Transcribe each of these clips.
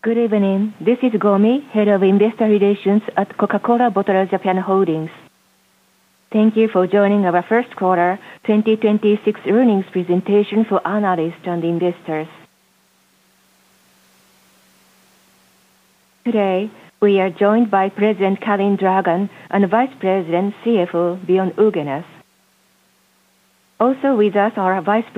Good evening. This is Gomi, Head of Investor Relations at Coca-Cola Bottlers Japan Holdings. Thank you for joining our 1st quarter 2026 earnings presentation for analysts and investors. Today, we are joined by President Calin Dragan and Vice President, CFO, Bjorn Ulgenes. Also with us are our Vice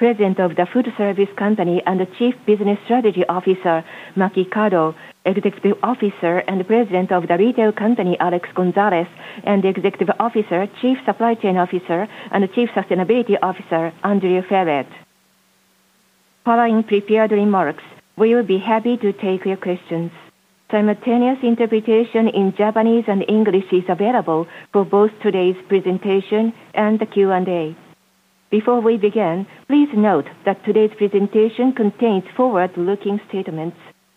President of the food service company, and the Chief Business Strategy Officer, Maki Kado, Executive Officer and President of the retail company, Alex Gonzalez, and Executive Officer, Chief Supply Chain Officer, and Chief Sustainability Officer, Andrew Ferrett. Following prepared remarks, we will be happy to take your questions. Simultaneous interpretation in Japanese and English is available for both today's presentation and the Q&A. Before we begin, please note that today's presentation contains forward-looking statements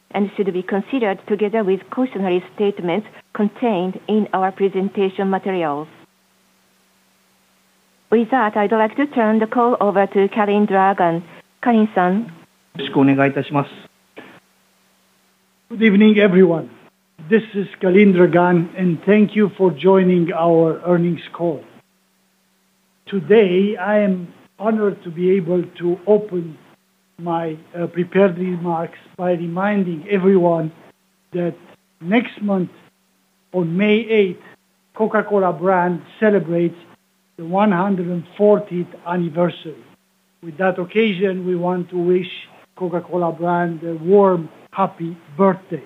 and should be considered together with cautionary statements contained in our presentation materials. With that, I'd like to turn the call over to Calin Dragan. Calin-san. Good evening, everyone. This is Calin Dragan, and thank you for joining our earnings call. Today, I am honored to be able to open my prepared remarks by reminding everyone that next month, on May eighth, Coca-Cola celebrates the 140th anniversary. With that occasion, we want to wish Coca-Cola a warm happy birthday.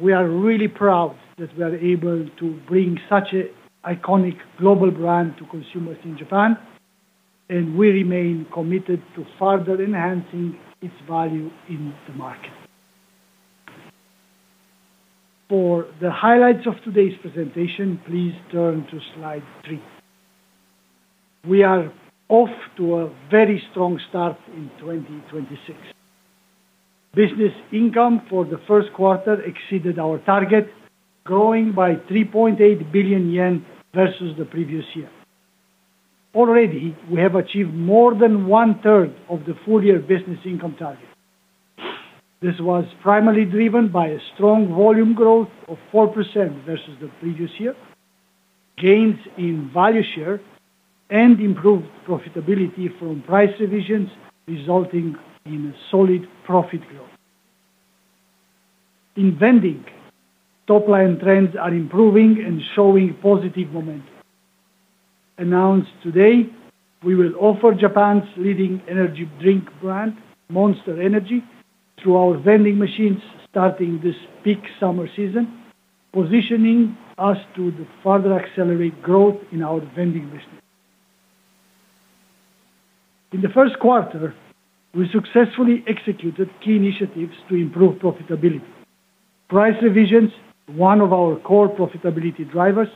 We are really proud that we are able to bring such a iconic global brand to consumers in Japan, and we remain committed to further enhancing its value in the market. For the highlights of today's presentation, please turn to slide three. We are off to a very strong start in 2026. Business income for the 1st quarter exceeded our target, growing by 3.8 billion yen versus the previous year. Already, we have achieved more than one-third of the full year business income target. This was primarily driven by a strong volume growth of 4% versus the previous year, gains in value share, and improved profitability from price revisions, resulting in a solid profit growth. In vending, top line trends are improving and showing positive momentum. Announced today, we will offer Japan's leading energy drink brand, Monster Energy, through our vending machines starting this peak summer season, positioning us to further accelerate growth in our vending business. In the 1st quarter, we successfully executed key initiatives to improve profitability. Price revisions, one of our core profitability drivers,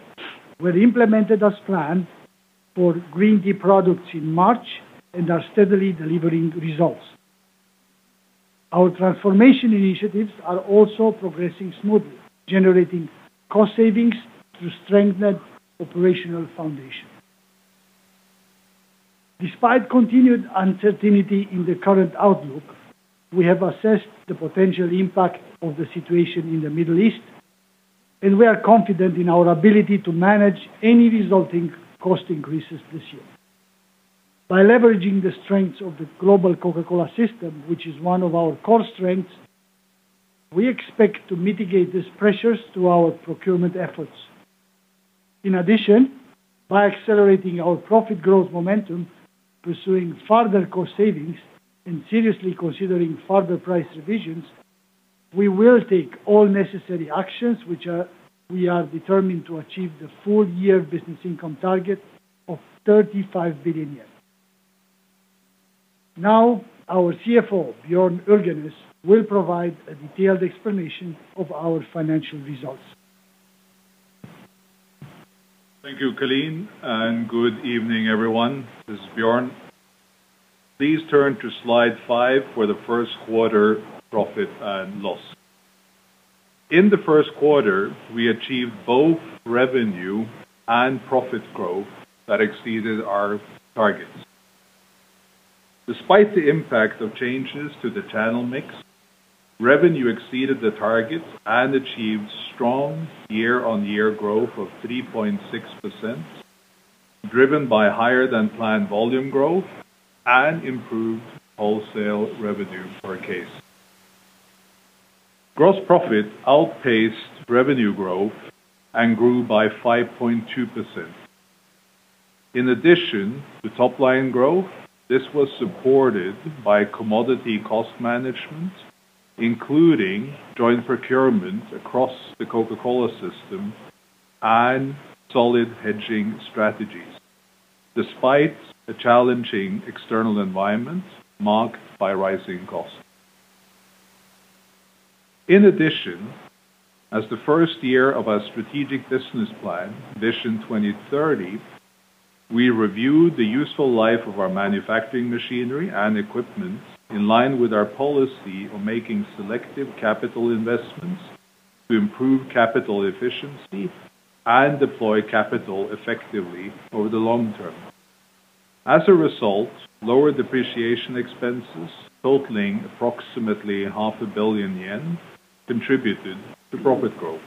were implemented as planned for green tea products in March and are steadily delivering results. Our transformation initiatives are also progressing smoothly, generating cost savings through strengthened operational foundation. Despite continued uncertainty in the current outlook, we have assessed the potential impact of the situation in the Middle East, and we are confident in our ability to manage any resulting cost increases this year. By leveraging the strengths of the global Coca-Cola system, which is one of our core strengths, we expect to mitigate these pressures through our procurement efforts. In addition, by accelerating our profit growth momentum, pursuing further cost savings, and seriously considering further price revisions, we will take all necessary actions we are determined to achieve the full year business income target of 35 billion yen. Now, our CFO, Bjorn Ulgenes, will provide a detailed explanation of our financial results. Thank you, Calin. Good evening, everyone. This is Bjorn. Please turn to slide five for the 1st quarter profit and loss. In the 1st quarter, we achieved both revenue and profit growth that exceeded our targets. Despite the impact of changes to the channel mix, revenue exceeded the targets and achieved strong year-over-year growth of 3.6%, driven by higher than planned volume growth and improved wholesale revenue per case. Gross profit outpaced revenue growth and grew by 5.2%. In addition to top line growth, this was supported by commodity cost management, including joint procurement across the Coca-Cola system and solid hedging strategies despite a challenging external environment marked by rising costs. In addition, as the 1st year of our strategic business plan, Vision 2030, we reviewed the useful life of our manufacturing machinery and equipment in line with our policy of making selective capital investments to improve capital efficiency and deploy capital effectively over the long term. As a result, lower depreciation expenses totaling approximately half a billion JPY contributed to profit growth.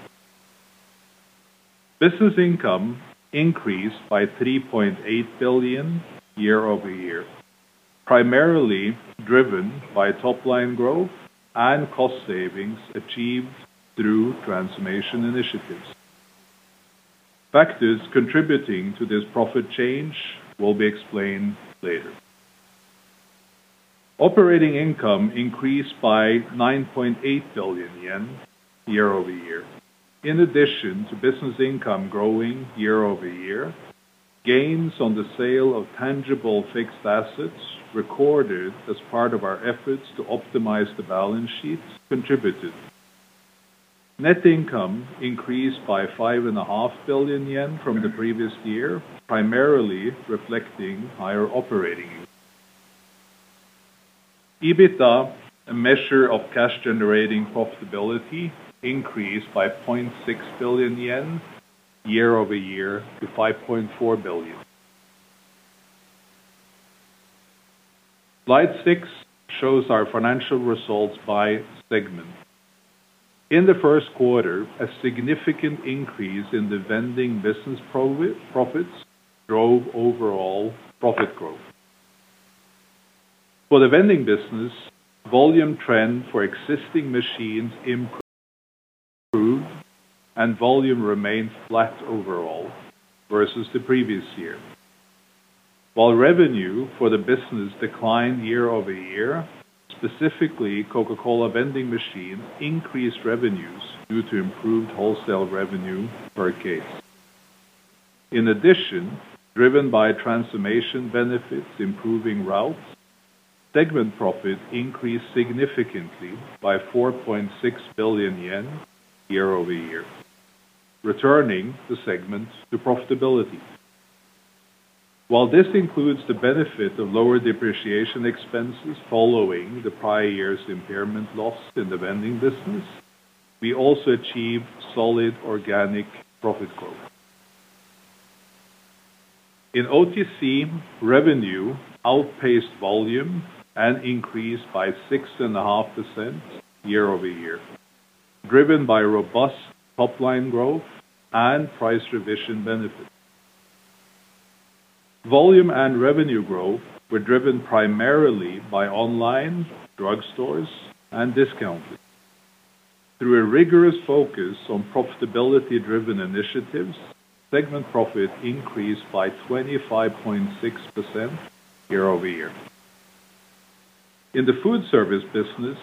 Business income increased by 3.8 billion JPY year-over-year, primarily driven by top line growth and cost savings achieved through transformation initiatives. Factors contributing to this profit change will be explained later. Operating income increased by 9.8 billion yen year-over-year. In addition to business income growing year-over-year, gains on the sale of tangible fixed assets recorded as part of our efforts to optimize the balance sheets contributed. Net income increased by five and a half billion JPY from the previous year, primarily reflecting higher operating income. EBITDA, a measure of cash generating profitability, increased by 0.6 billion yen year-over-year to 5.4 billion. Slide six shows our financial results by segment. In the 1st quarter, a significant increase in the vending business profits drove overall profit growth. For the vending business, volume trend for existing machines improved, and volume remained flat overall versus the previous year. While revenue for the business declined year-over-year, specifically Coca-Cola vending machine increased revenues due to improved wholesale revenue per case. In addition, driven by transformation benefits improving routes, segment profit increased significantly by 4.6 billion yen year-over-year, returning the segment to profitability. While this includes the benefit of lower depreciation expenses following the prior year's impairment loss in the vending business, we also achieved solid organic profit growth. In OTC, revenue outpaced volume and increased by 6.5% year-over-year, driven by robust top line growth and price revision benefits. Volume and revenue growth were driven primarily by online, drugstores, and discount. Through a rigorous focus on profitability-driven initiatives, segment profit increased by 25.6% year-over-year. In the food service business,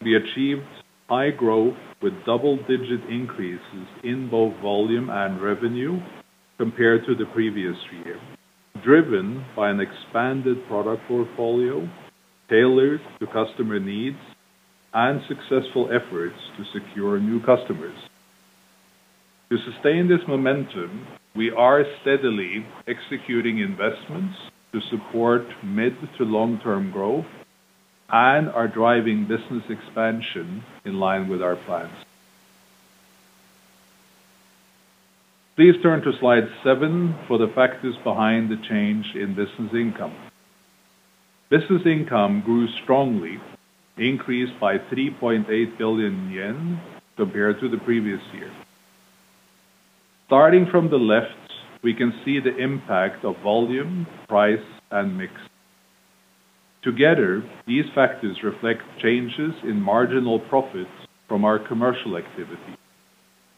we achieved high growth with double-digit increases in both volume and revenue compared to the previous year, driven by an expanded product portfolio tailored to customer needs and successful efforts to secure new customers. To sustain this momentum, we are steadily executing investments to support mid to long-term growth and are driving business expansion in line with our plans. Please turn to slide seven for the factors behind the change in business income. Business income grew strongly, increased by 3.8 billion yen compared to the previous year. Starting from the left, we can see the impact of volume, price, and mix. Together, these factors reflect changes in marginal profits from our commercial activity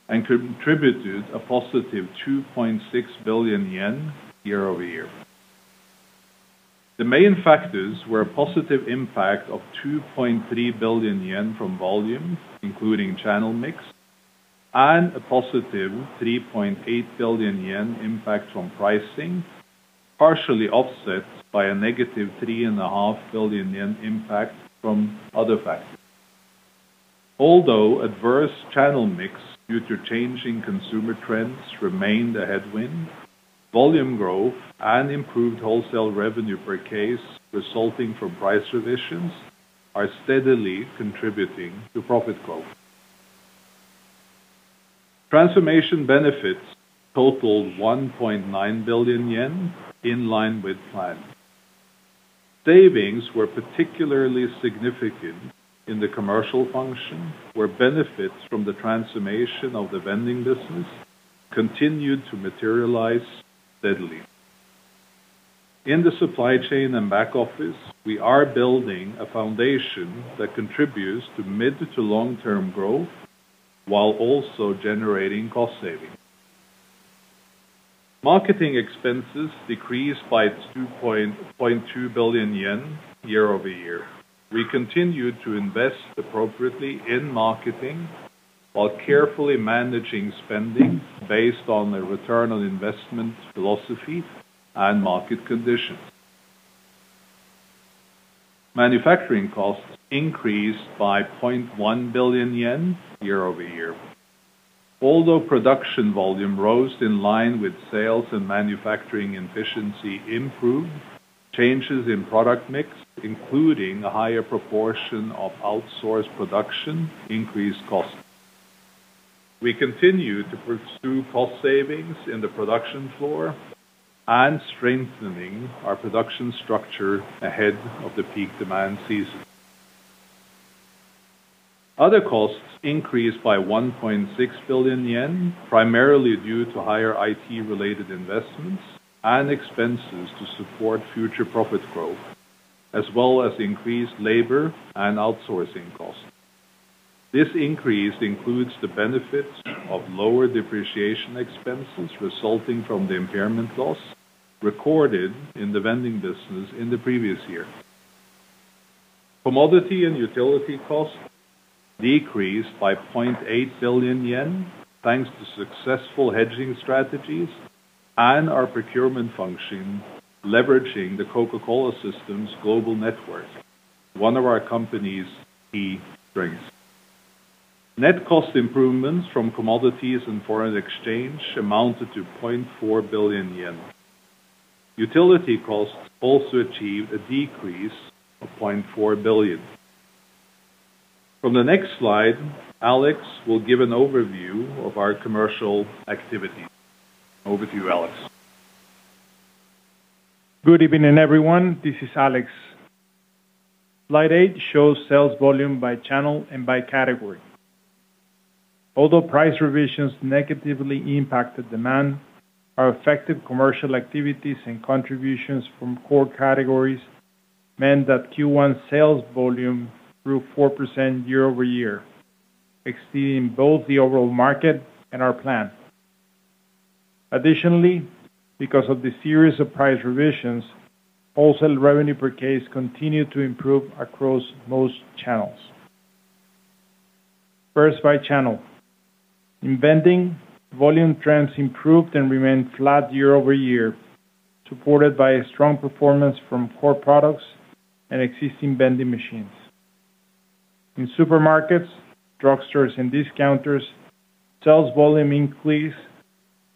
and contributed a positive 2.6 billion yen year-over-year. The main factors were a positive impact of 2.3 billion yen from volume, including channel mix, and a positive 3.8 billion yen impact from pricing, partially offset by a negative 3.5 billion yen Impact from other factors. Although adverse channel mix due to changing consumer trends remained a headwind, volume growth and improved wholesale revenue per case resulting from price revisions are steadily contributing to profit growth. Transformation benefits totaled 1.9 billion yen in line with plan. Savings were particularly significant in the commercial function, where benefits from the transformation of the vending business continued to materialize steadily. In the supply chain and back office, we are building a foundation that contributes to mid- to long-term growth while also generating cost savings. Marketing expenses decreased by 2.2 billion yen year-over-year. We continued to invest appropriately in marketing while carefully managing spending based on the return on investment philosophy and market conditions. Manufacturing costs increased by 0.1 billion yen year-over-year. Although production volume rose in line with sales and manufacturing efficiency improved, changes in product mix, including a higher proportion of outsourced production, increased costs. We continue to pursue cost savings in the production floor and strengthening our production structure ahead of the peak demand season. Other costs increased by 1.6 billion yen, primarily due to higher IT-related investments and expenses to support future profit growth, as well as increased labor and outsourcing costs. This increase includes the benefits of lower depreciation expenses resulting from the impairment loss recorded in the vending business in the previous year. Commodity and utility costs decreased by 0.8 billion yen, thanks to successful hedging strategies and our procurement function leveraging the Coca-Cola system's global network, one of our company's key strengths. Net cost improvements from commodities and foreign exchange amounted to 0.4 billion yen. Utility costs also achieved a decrease of 0.4 billion. From the next slide, Alex will give an overview of our commercial activities. Over to you, Alex. Good evening, everyone. This is Alex. Slide eight shows sales volume by channel and by category. Although price revisions negatively impacted demand, our effective commercial activities and contributions from core categories meant that Q1 sales volume grew 4% year-over-year, exceeding both the overall market and our plan. Additionally, because of the series of price revisions, wholesale revenue per case continued to improve across most channels. 1st, by channel. In vending, volume trends improved and remained flat year-over-year, supported by a strong performance from core products and existing vending machines. In supermarkets, drugstores, and discounters, sales volume increased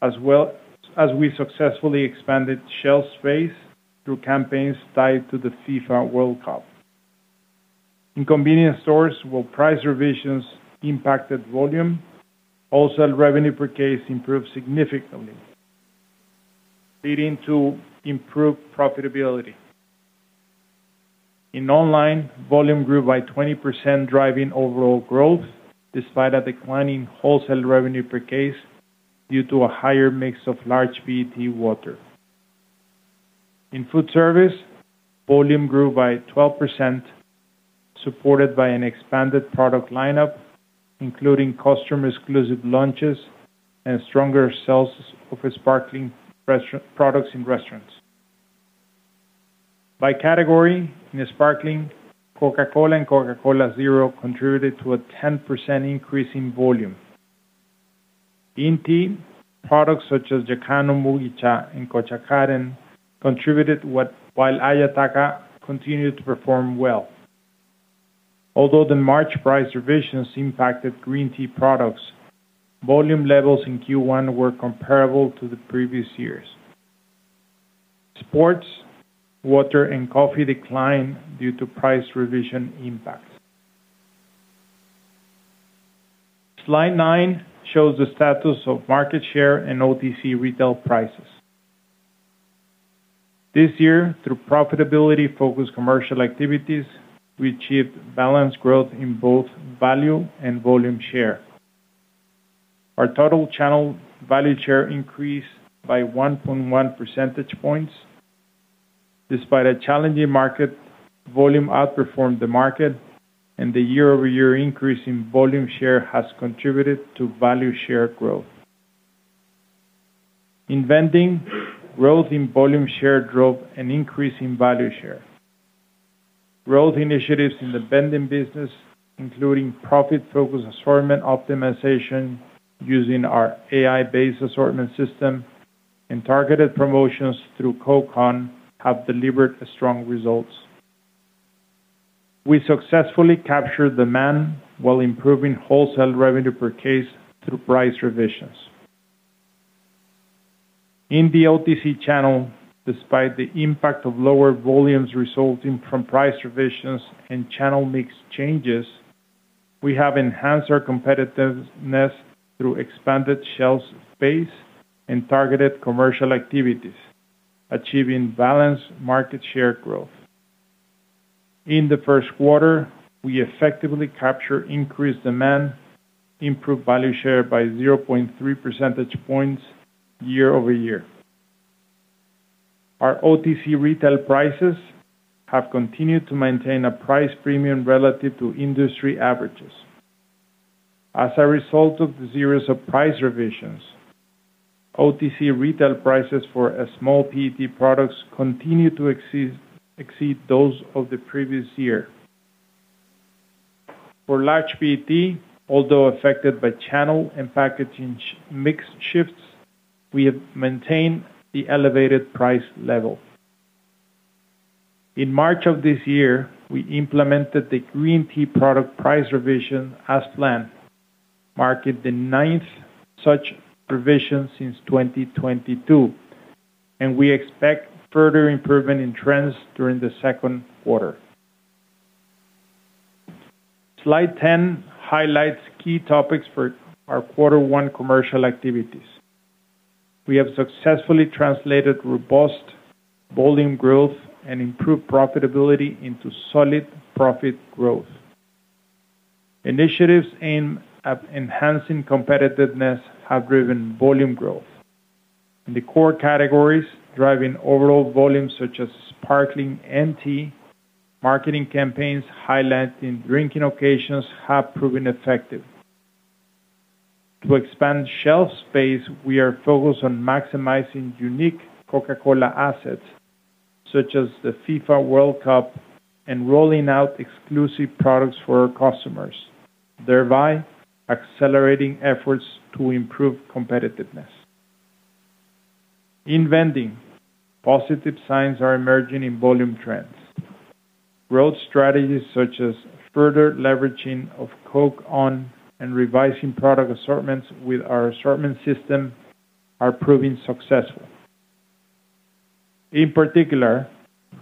as well, as we successfully expanded shelf space through campaigns tied to the FIFA World Cup. In convenience stores, while price revisions impacted volume, wholesale revenue per case improved significantly, leading to improved profitability. In online, volume grew by 20%, driving overall growth despite a declining wholesale revenue per case due to a higher mix of large PET water. In food service, volume grew by 12%, supported by an expanded product lineup, including customer exclusive launches and stronger sales of sparkling products in restaurants. By category, in sparkling, Coca-Cola and Coca-Cola Zero contributed to a 10% increase in volume. In tea, products such as Yakan no Mugicha and Kochakaden contributed while Ayataka continued to perform well. Although the March price revisions impacted green tea products, volume levels in Q1 were comparable to the previous years. Sports, water, and coffee declined due to price revision impacts. Slide nine shows the status of market share and OTC retail prices. This year, through profitability-focused commercial activities, we achieved balanced growth in both value and volume share. Our total channel value share increased by 1.1 percentage points. Despite a challenging market, volume outperformed the market, and the year-over-year increase in volume share has contributed to value share growth. In vending, growth in volume share drove an increase in value share. Growth initiatives in the vending business, including profit-focused assortment optimization using our AI-based assortment system and targeted promotions through Coke ON have delivered strong results. We successfully captured demand while improving wholesale revenue per case through price revisions. In the OTC channel, despite the impact of lower volumes resulting from price revisions and channel mix changes, we have enhanced our competitiveness through expanded shelf space and targeted commercial activities, achieving balanced market share growth. In the 1st quarter, we effectively captured increased demand, improved value share by 0.3 percentage points year-over-year. Our OTC retail prices have continued to maintain a price premium relative to industry averages. As a result of the series of price revisions, OTC retail prices for small PET products continue to exceed those of the previous year. For large PET, although affected by channel and packaging mix shifts, we have maintained the elevated price level. In March of this year, we implemented the green tea product price revision as planned, marking the 9th such revision since 2022, and we expect further improvement in trends during the second quarter. Slide 10 highlights key topics for our quarter one commercial activities. We have successfully translated robust volume growth and improved profitability into solid profit growth. Initiatives aimed at enhancing competitiveness have driven volume growth. In the core categories, driving overall volumes such as sparkling and tea, marketing campaigns highlighting drinking occasions have proven effective. To expand shelf space, we are focused on maximizing unique Coca-Cola assets, such as the FIFA World Cup, and rolling out exclusive products for our customers, thereby accelerating efforts to improve competitiveness. In vending, positive signs are emerging in volume trends. Growth strategies such as further leveraging of Coke ON and revising product assortments with our assortment system are proving successful. In particular,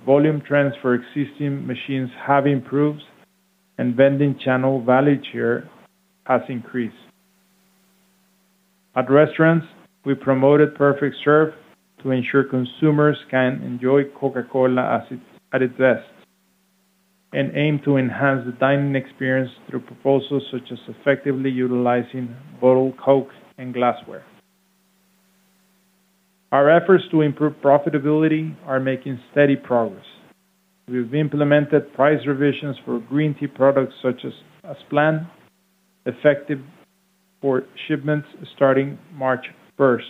volume trends for existing machines have improved and vending channel value share has increased. At restaurants, we promoted Perfect Serve to ensure consumers can enjoy Coca-Cola assets at its best and aim to enhance the dining experience through proposals such as effectively utilizing bottled Coke and glassware. Our efforts to improve profitability are making steady progress. We've implemented price revisions for green tea products such as planned, effective for shipments starting March 1st.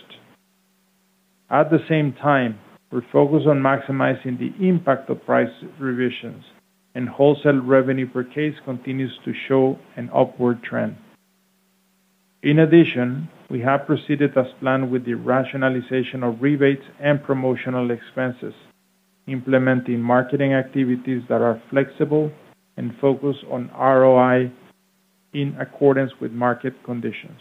At the same time, we're focused on maximizing the impact of price revisions, and wholesale revenue per case continues to show an upward trend. In addition, we have proceeded as planned with the rationalization of rebates and promotional expenses, implementing marketing activities that are flexible and focused on ROI in accordance with market conditions.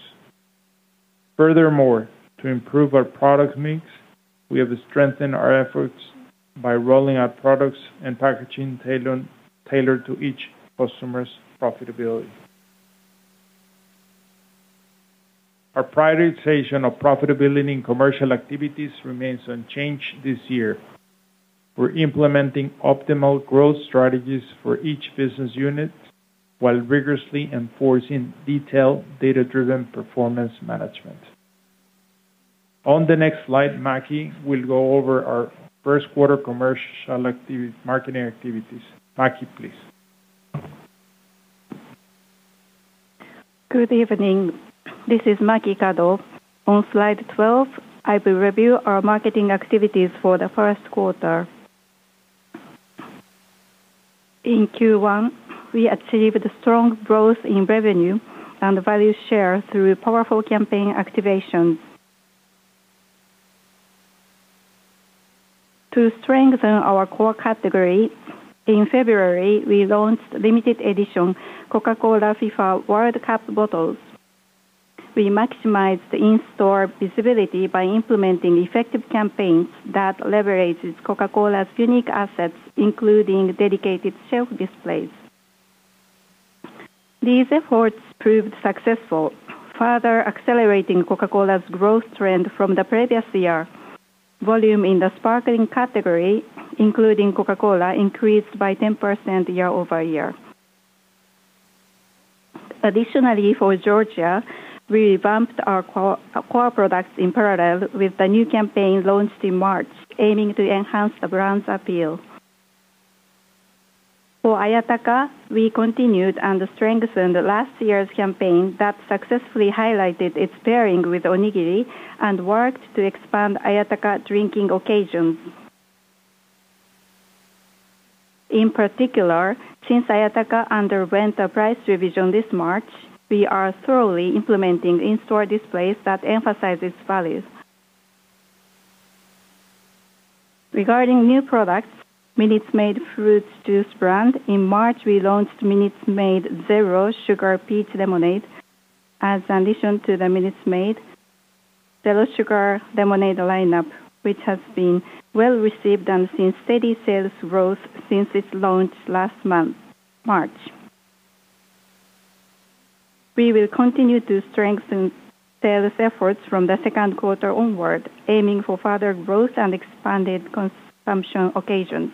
Furthermore, to improve our product mix, we have strengthened our efforts by rolling out products and packaging tailored to each customer's profitability. Our prioritization of profitability in commercial activities remains unchanged this year. We're implementing optimal growth strategies for each business unit while rigorously enforcing detailed data-driven performance management. On the next slide, Maki will go over our 1st quarter marketing activities. Maki, please. Good evening. This is Maki Kado. On slide 12, I will review our marketing activities for the 1st quarter. In Q1, we achieved strong growth in revenue and value share through powerful campaign activations. To strengthen our core category, in February, we launched limited edition Coca-Cola FIFA World Cup bottles. We maximized the in-store visibility by implementing effective campaigns that leverages Coca-Cola's unique assets, including dedicated shelf displays. These efforts proved successful, further accelerating Coca-Cola's growth trend from the previous year. Volume in the sparkling category, including Coca-Cola, increased by 10% year-over-year. Additionally, for Georgia, we revamped our co-core products in parallel with the new campaign launched in March, aiming to enhance the brand's appeal. For Ayataka, we continued and strengthened last year's campaign that successfully highlighted its pairing with onigiri and worked to expand Ayataka drinking occasions. In particular, since Ayataka underwent a price revision this March, we are thoroughly implementing in-store displays that emphasize its values. Regarding new products, Minute Maid fruit juice brand, in March, we launched Minute Maid Zero Sugar Peach Lemonade as addition to the Minute Maid Zero Sugar Lemonade lineup, which has been well-received and seen steady sales growth since its launch last month, March. We will continue to strengthen sales efforts from the second quarter onward, aiming for further growth and expanded consumption occasions.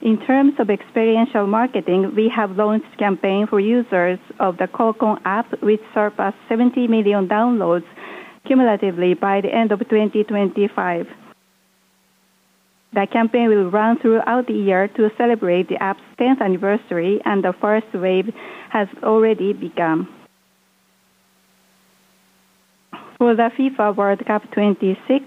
In terms of experiential marketing, we have launched campaign for users of the Coke ON app, which surpassed 70 million downloads cumulatively by the end of 2025. The campaign will run throughout the year to celebrate the app's 10th anniversary, and the 1st wave has already begun. For the FIFA World Cup 26,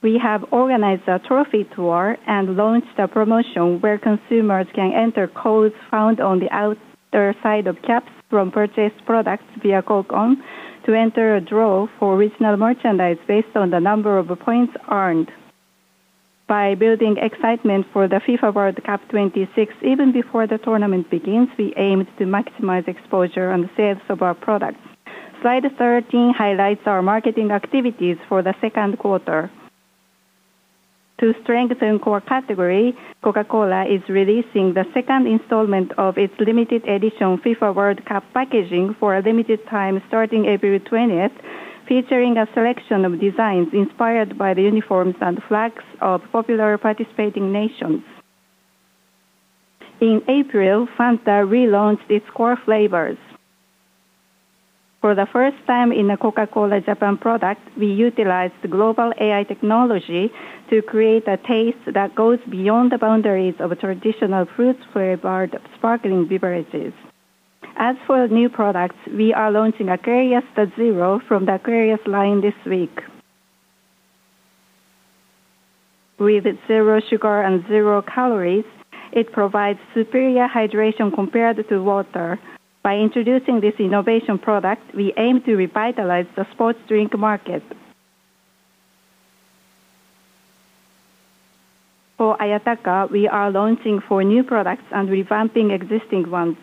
we have organized a trophy tour and launched a promotion where consumers can enter codes found on the outer side of caps from purchased products via Coke ON to enter a draw for original merchandise based on the number of points earned. By building excitement for the FIFA World Cup 26, even before the tournament begins, we aim to maximize exposure and sales of our products. Slide 13 highlights our marketing activities for the second quarter. To strengthen core category, Coca-Cola is releasing the second installment of its limited edition FIFA World Cup packaging for a limited time starting April 20th, featuring a selection of designs inspired by the uniforms and flags of popular participating nations. In April, Fanta relaunched its core flavors. For the 1st time in a Coca-Cola Japan product, we utilized global AI technology to create a taste that goes beyond the boundaries of traditional fruit-flavored sparkling beverages. As for new products, we are launching Aquarius Zero from the Aquarius line this week. With zero sugar and zero calories, it provides superior hydration compared to water. By introducing this innovation product, we aim to revitalize the sports drink market. For Ayataka, we are launching four new products and revamping existing ones.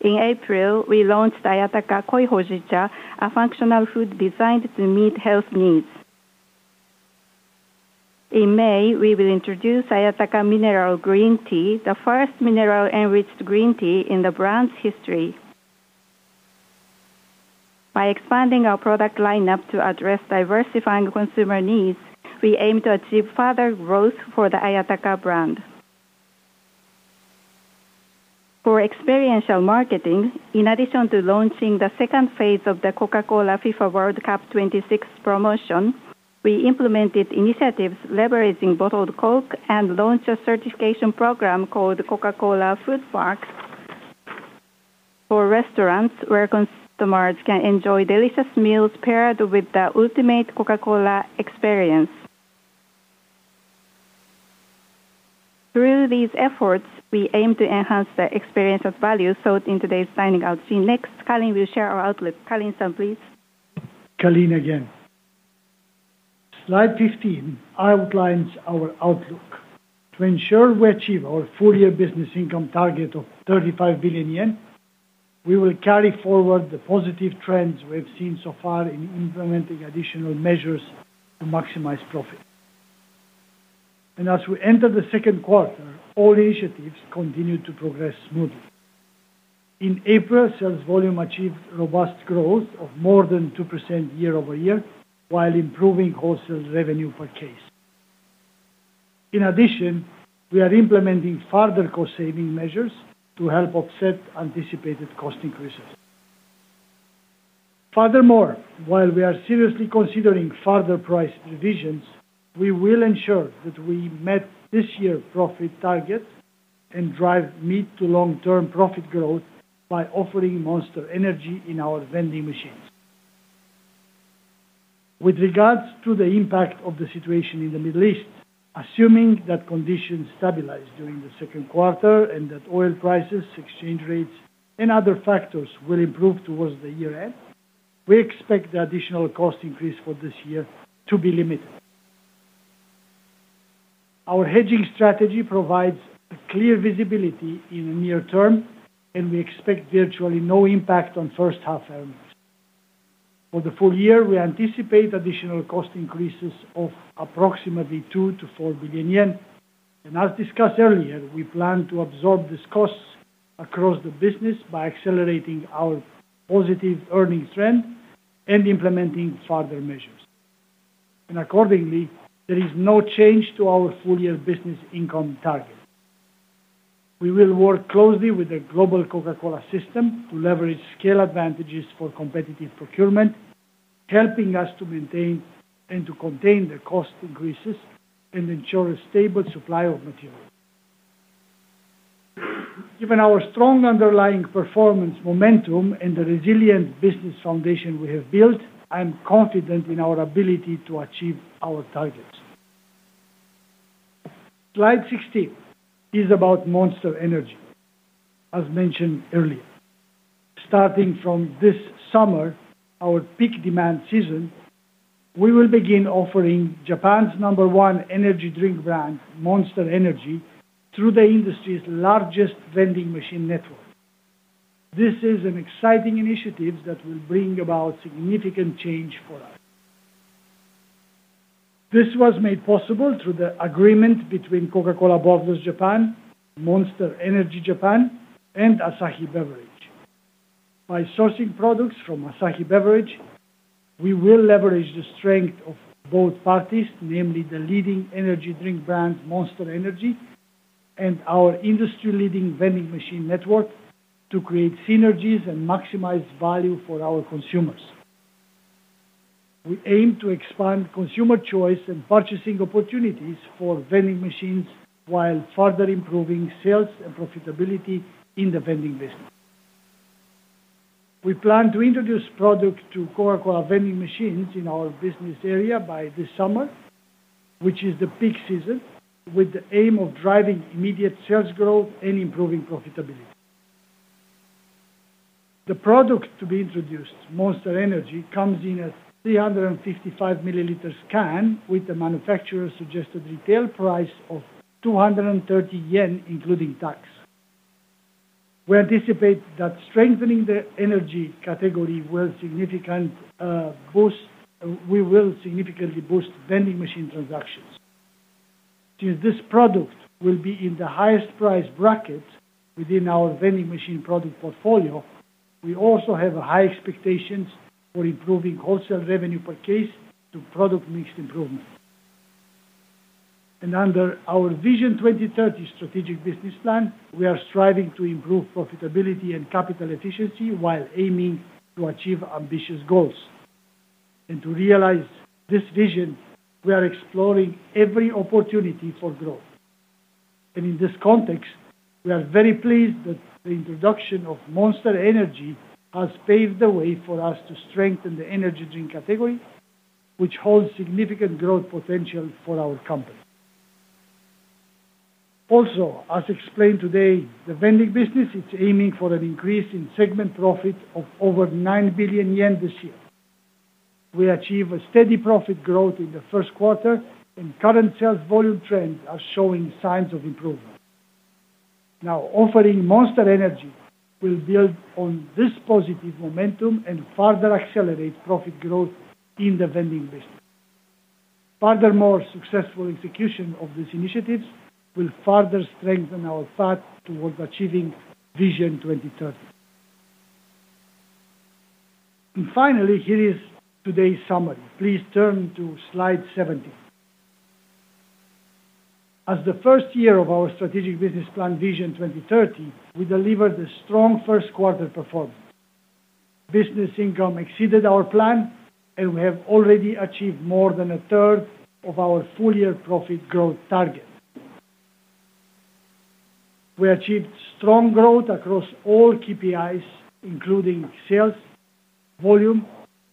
In April, we launched Ayataka Koi Hojicha, a functional food designed to meet health needs. In May, we will introduce Ayataka Mineral Green Tea, the 1st mineral-enriched green tea in the brand's history. By expanding our product lineup to address diversifying consumer needs, we aim to achieve further growth for the Ayataka brand. For experiential marketing, in addition to launching the second phase of the Coca-Cola FIFA World Cup 26th promotion, we implemented initiatives leveraging bottled Coke and launched a certification program called Coca-Cola Foodmarks for restaurants where customers can enjoy delicious meals paired with the ultimate Coca-Cola experience. Through these efforts, we aim to enhance the experience of value sought in today's dining out scene. Next, Calin will share our outlook. Calin-san, please. Calin again. Slide 15 outlines our outlook. To ensure we achieve our full-year business income target of 35 billion yen, we will carry forward the positive trends we have seen so far in implementing additional measures to maximize profit. As we enter the second quarter, all initiatives continue to progress smoothly. In April, sales volume achieved robust growth of more than 2% year-over-year, while improving wholesale revenue per case. In addition, we are implementing further cost-saving measures to help offset anticipated cost increases. Furthermore, while we are seriously considering further price revisions, we will ensure that we meet this year's profit target and drive mid to long-term profit growth by offering Monster Energy in our vending machines. With regards to the impact of the situation in the Middle East, assuming that conditions stabilize during the second quarter and that oil prices, exchange rates, and other factors will improve towards the year-end, we expect the additional cost increase for this year to be limited. Our hedging strategy provides a clear visibility in the near term, and we expect virtually no impact on 1st half earnings. For the full year, we anticipate additional cost increases of approximately 2 billion-4 billion yen. As discussed earlier, we plan to absorb these costs across the business by accelerating our positive earnings trend and implementing further measures. Accordingly, there is no change to our full-year business income target. We will work closely with the global Coca-Cola system to leverage scale advantages for competitive procurement, helping us to maintain and to contain the cost increases and ensure a stable supply of materials. Given our strong underlying performance momentum and the resilient business foundation we have built, I am confident in our ability to achieve our targets. Slide 16 is about Monster Energy. As mentioned earlier, starting from this summer, our peak demand season, we will begin offering Japan's number one energy drink brand, Monster Energy, through the industry's largest vending machine network. This is an exciting initiative that will bring about significant change for us. This was made possible through the agreement between Coca-Cola Bottlers Japan, Monster Energy Japan, and Asahi Beverage. By sourcing products from Asahi Beverage. we will leverage the strength of both parties, namely the leading energy drink brand, Monster Energy, and our industry-leading vending machine network, to create synergies and maximize value for our consumers. We aim to expand consumer choice and purchasing opportunities for vending machines while further improving sales and profitability in the vending business. We plan to introduce products to Coca-Cola vending machines in our business area by this summer, which is the peak season, with the aim of driving immediate sales growth and improving profitability. The product to be introduced, Monster Energy, comes in a 355 ml can with a manufacturer's suggested retail price of 230 yen, including tax. We anticipate that strengthening the energy category will significant boost. We will significantly boost vending machine transactions. Since this product will be in the highest price bracket within our vending machine product portfolio, we also have high expectations for improving wholesale revenue per case through product mix improvement. Under our Vision 2030 strategic business plan, we are striving to improve profitability and capital efficiency while aiming to achieve ambitious goals. To realize this vision, we are exploring every opportunity for growth. In this context, we are very pleased that the introduction of Monster Energy has paved the way for us to strengthen the energy drink category, which holds significant growth potential for our company. Also, as explained today, the vending business is aiming for an increase in segment profit of over 9 billion yen this year. We achieve a steady profit growth in the 1st quarter, and current sales volume trends are showing signs of improvement. Now, offering Monster Energy will build on this positive momentum and further accelerate profit growth in the vending business. Furthermore, successful execution of these initiatives will further strengthen our path towards achieving Vision 2030. Finally, here is today's summary. Please turn to slide 70. As the 1st year of our strategic business plan, Vision 2030, we delivered a strong 1st quarter performance. Business income exceeded our plan, and we have already achieved more than a 1/3 of our full-year profit growth target. We achieved strong growth across all KPIs, including sales, volume,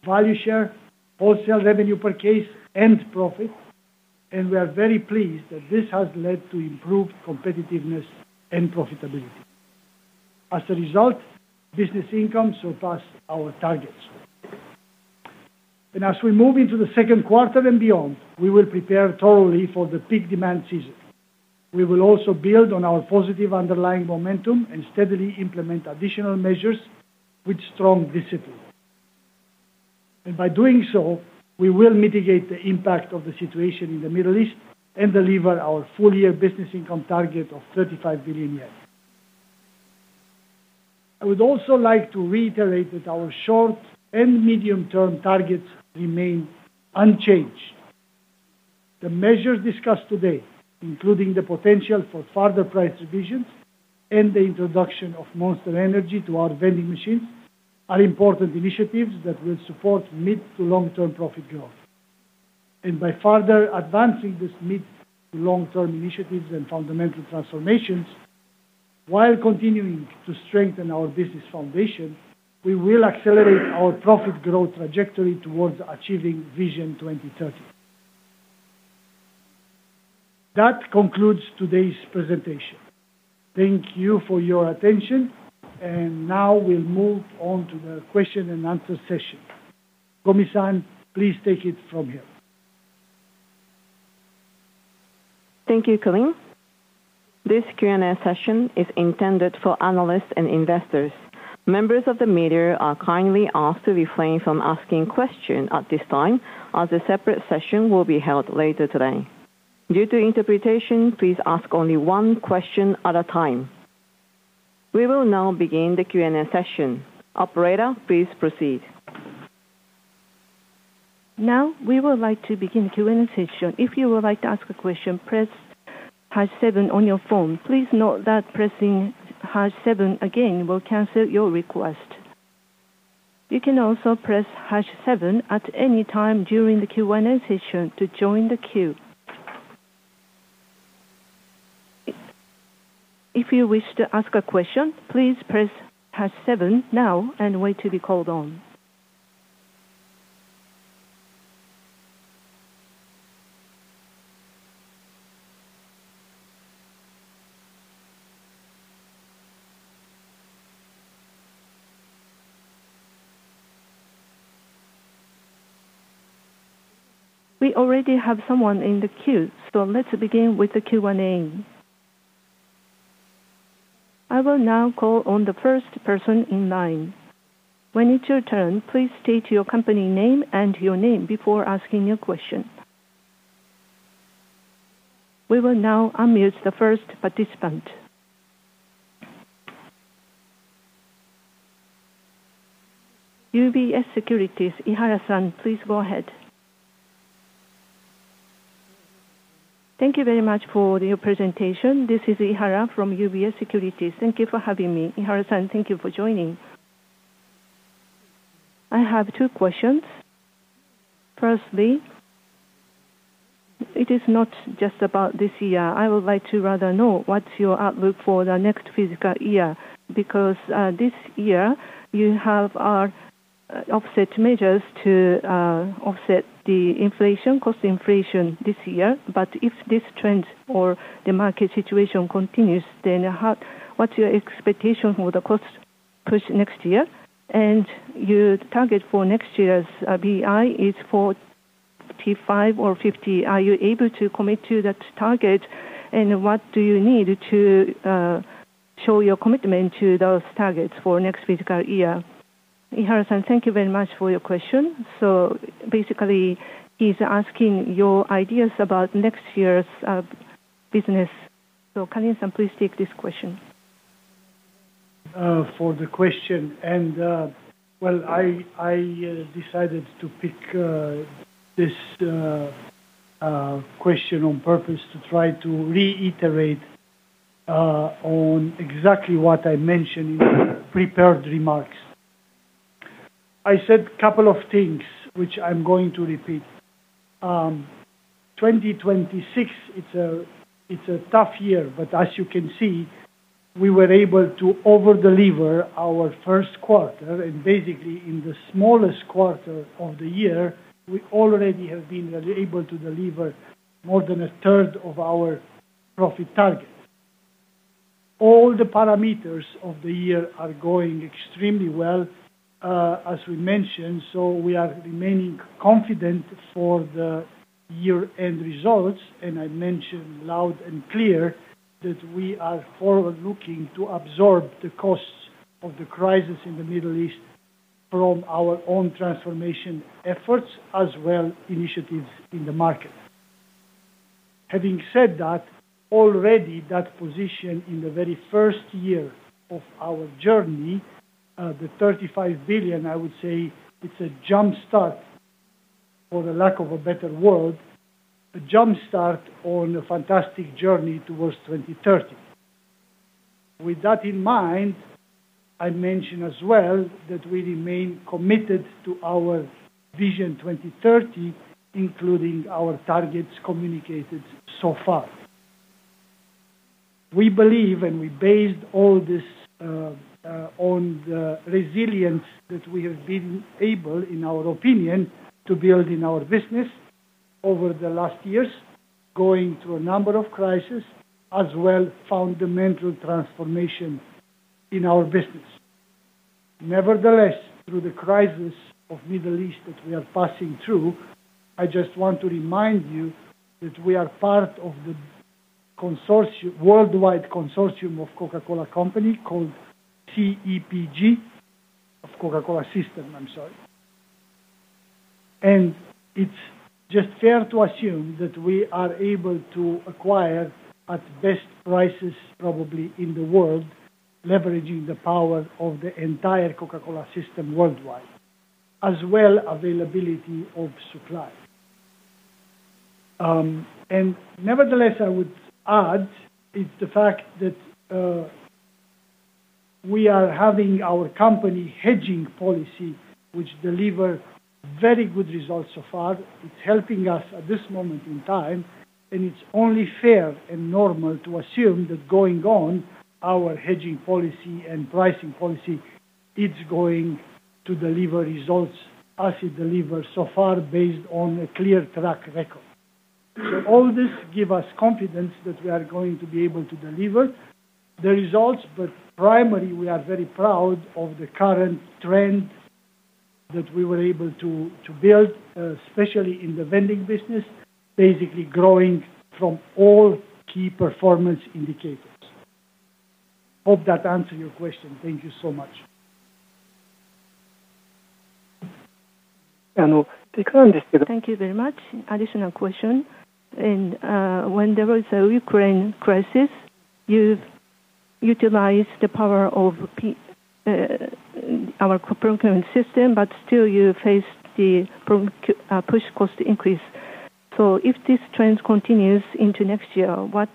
value share, wholesale revenue per case, and profit, and we are very pleased that this has led to improved competitiveness and profitability. As a result, business income surpassed our targets. As we move into the 2nd quarter and beyond, we will prepare thoroughly for the peak demand season. We will also build on our positive underlying momentum and steadily implement additional measures with strong discipline. By doing so, we will mitigate the impact of the situation in the Middle East and deliver our full-year business income target of 35 billion yen. I would also like to reiterate that our short and medium-term targets remain unchanged. The measures discussed today, including the potential for further price revisions and the introduction of Monster Energy to our vending machines, are important initiatives that will support mid to long-term profit growth. By further advancing these mid to long-term initiatives and fundamental transformations, while continuing to strengthen our business foundation, we will accelerate our profit growth trajectory towards achieving Vision 2030. That concludes today's presentation. Thank you for your attention. Now we'll move on to the question and answer session. Gomi-san, please take it from here. Thank you, Calin. This Q&A session is intended for analysts and investors. Members of the media are kindly asked to refrain from asking questions at this time, as a separate session will be held later today. Due to interpretation, please ask only one question at a time. We will now begin the Q&A session. Operator, please proceed. We would like to begin Q&A session. If you would like to ask a question, press hash seven on your phone. Please note that pressing hash seven again will cancel your request. You can also press hash seven at any time during the Q&A session to join the queue. If you wish to ask a question, please press hash seven now and wait to be called on. We already have someone in the queue, let's begin with the Q&A. I will now call on the 1st person in line. When it's your turn, please state your company name and your name before asking your question. We will now unmute the 1st participant. UBS Securities, Ihara-san, please go ahead. Thank you very much for your presentation. This is Ihara from UBS Securities. Thank you for having me. Ihara-san, thank you for joining. I have two questions. 1stly, it is not just about this year. I would like to rather know what's your outlook for the next fiscal year. This year you have offset measures to offset the inflation, cost inflation this year. If this trend or the market situation continues, what's your expectation for the cost push next year? Your target for next year's BI is 45 or 50, are you able to commit to that target, and what do you need to show your commitment to those targets for next fiscal year? Ihara-san, thank you very much for your question. Basically, he's asking your ideas about next year's business. Calin, please take this question. For the question, well, I decided to pick this question on purpose to try to reiterate on exactly what I mentioned in prepared remarks. I said couple of things which I'm going to repeat. 2026, it's a tough year, but as you can see, we were able to over-deliver our 1st quarter and basically in the smallest quarter of the year, we already have been able to deliver more than 1/3 of our profit targets. All the parameters of the year are going extremely well, as we mentioned, so we are remaining confident for the year-end results. I mentioned loud and clear that we are forward-looking to absorb the costs of the crisis in the Middle East from our own transformation efforts as well initiatives in the market. Having said that, already that position in the very 1st year of our journey, the 35 billion, I would say it's a jump start, for the lack of a better word, a jump start on a fantastic journey towards 2030. With that in mind, I mention as well that we remain committed to our Vision 2030, including our targets communicated so far. We believe, we based all this on the resilience that we have been able, in our opinion, to build in our business over the last years, going through a number of crises, as well fundamental transformation in our business. Nevertheless, through the crisis of Middle East that we are passing through, I just want to remind you that we are part of the worldwide consortium of The Coca-Cola Company called TEPG. Of Coca-Cola system, I'm sorry. It's just fair to assume that we are able to acquire at best prices probably in the world, leveraging the power of the entire Coca-Cola system worldwide, as well availability of supply. Nevertheless, I would add is the fact that we are having our company hedging policy, which deliver very good results so far. It's helping us at this moment in time, and it's only fair and normal to assume that going on, our hedging policy and pricing policy, it's going to deliver results as it delivers so far based on a clear track record. All this give us confidence that we are going to be able to deliver the results, but primarily, we are very proud of the current trends that we were able to build, especially in the vending business, basically growing from all key performance indicators. Hope that answer your question. Thank you so much. Thank you very much. Additional question. When there was a Ukraine crisis, you've utilized the power of our procurement system, but still you faced the push cost increase. If this trend continues into next year, what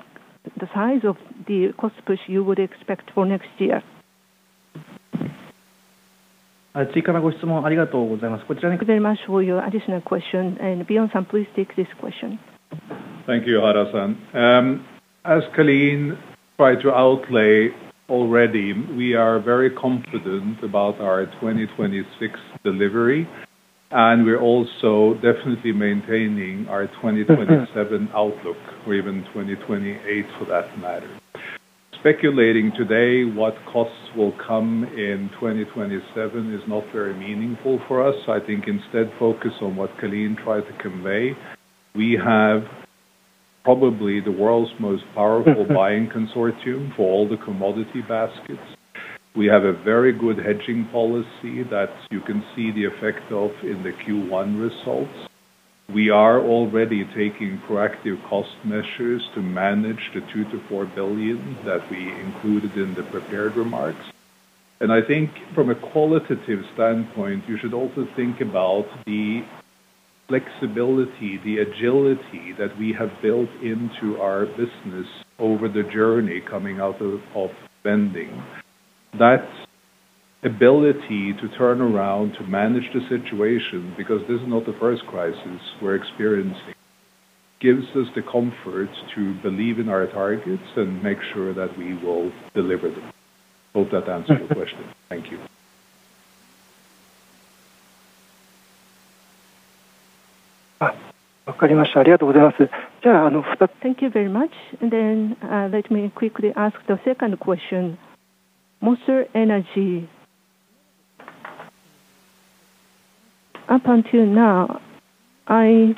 the size of the cost push you would expect for next year? Thank you very much for your additional question. Bjorn, please take this question. Thank you, Ihara-san. As Calin tried to outlay already, we are very confident about our 2026 delivery, and we're also definitely maintaining our 2027 outlook or even 2028 for that matter. Speculating today what costs will come in 2027 is not very meaningful for us. I think instead focus on what Calin tried to convey. We have probably the world's most powerful buying consortium for all the commodity baskets. We have a very good hedging policy that you can see the effect of in the Q1 results. We are already taking proactive cost measures to manage the 2 billion- 4 billion that we included in the prepared remarks. I think from a qualitative standpoint, you should also think about the flexibility, the agility that we have built into our business over the journey coming out of vending. That ability to turn around to manage the situation, because this is not the 1st crisis we're experiencing, gives us the comfort to believe in our targets and make sure that we will deliver them. Hope that answers your question. Thank you. Thank you very much. Let me quickly ask the second question. Monster Energy, up until now, I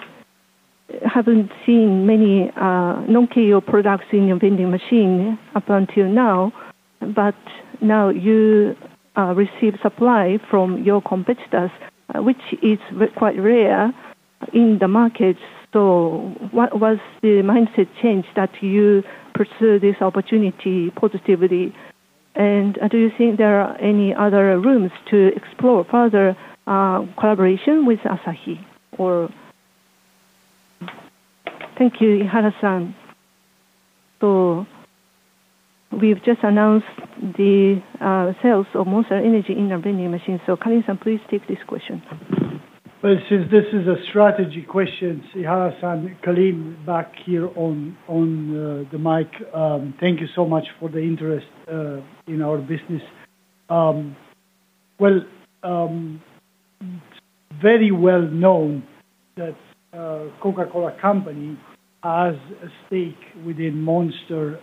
haven't seen many non-Keio products in your vending machine up until now. Now you receive supply from your competitors, which is quite rare in the market. What was the mindset change that you pursue this opportunity positively? Do you think there are any other rooms to explore further collaboration with Asahi? Thank you, Ihara-san. We've just announced the sales of Monster Energy in our vending machine. Calin-san, please take this question. Well, since this is a strategy question, Ihara-san, Calin back here on the mic. Thank you so much for the interest in our business. It is very well known that The Coca-Cola Company has a stake within Monster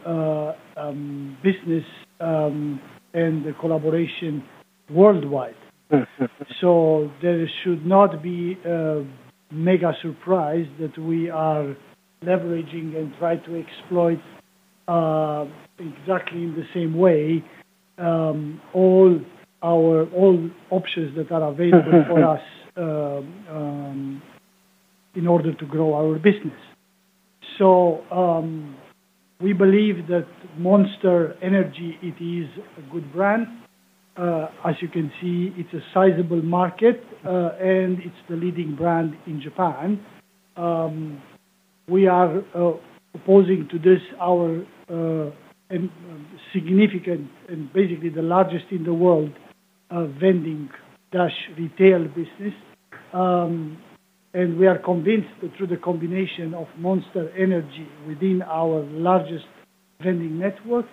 business and the collaboration worldwide. There should not be a mega surprise that we are leveraging and try to exploit exactly the same way all options that are available for us in order to grow our business. We believe that Monster Energy, it is a good brand. As you can see, it's a sizable market, and it's the leading brand in Japan. We are proposing to this our significant and basically the largest in the world vending-retail business. We are convinced that through the combination of Monster Energy within our largest vending network,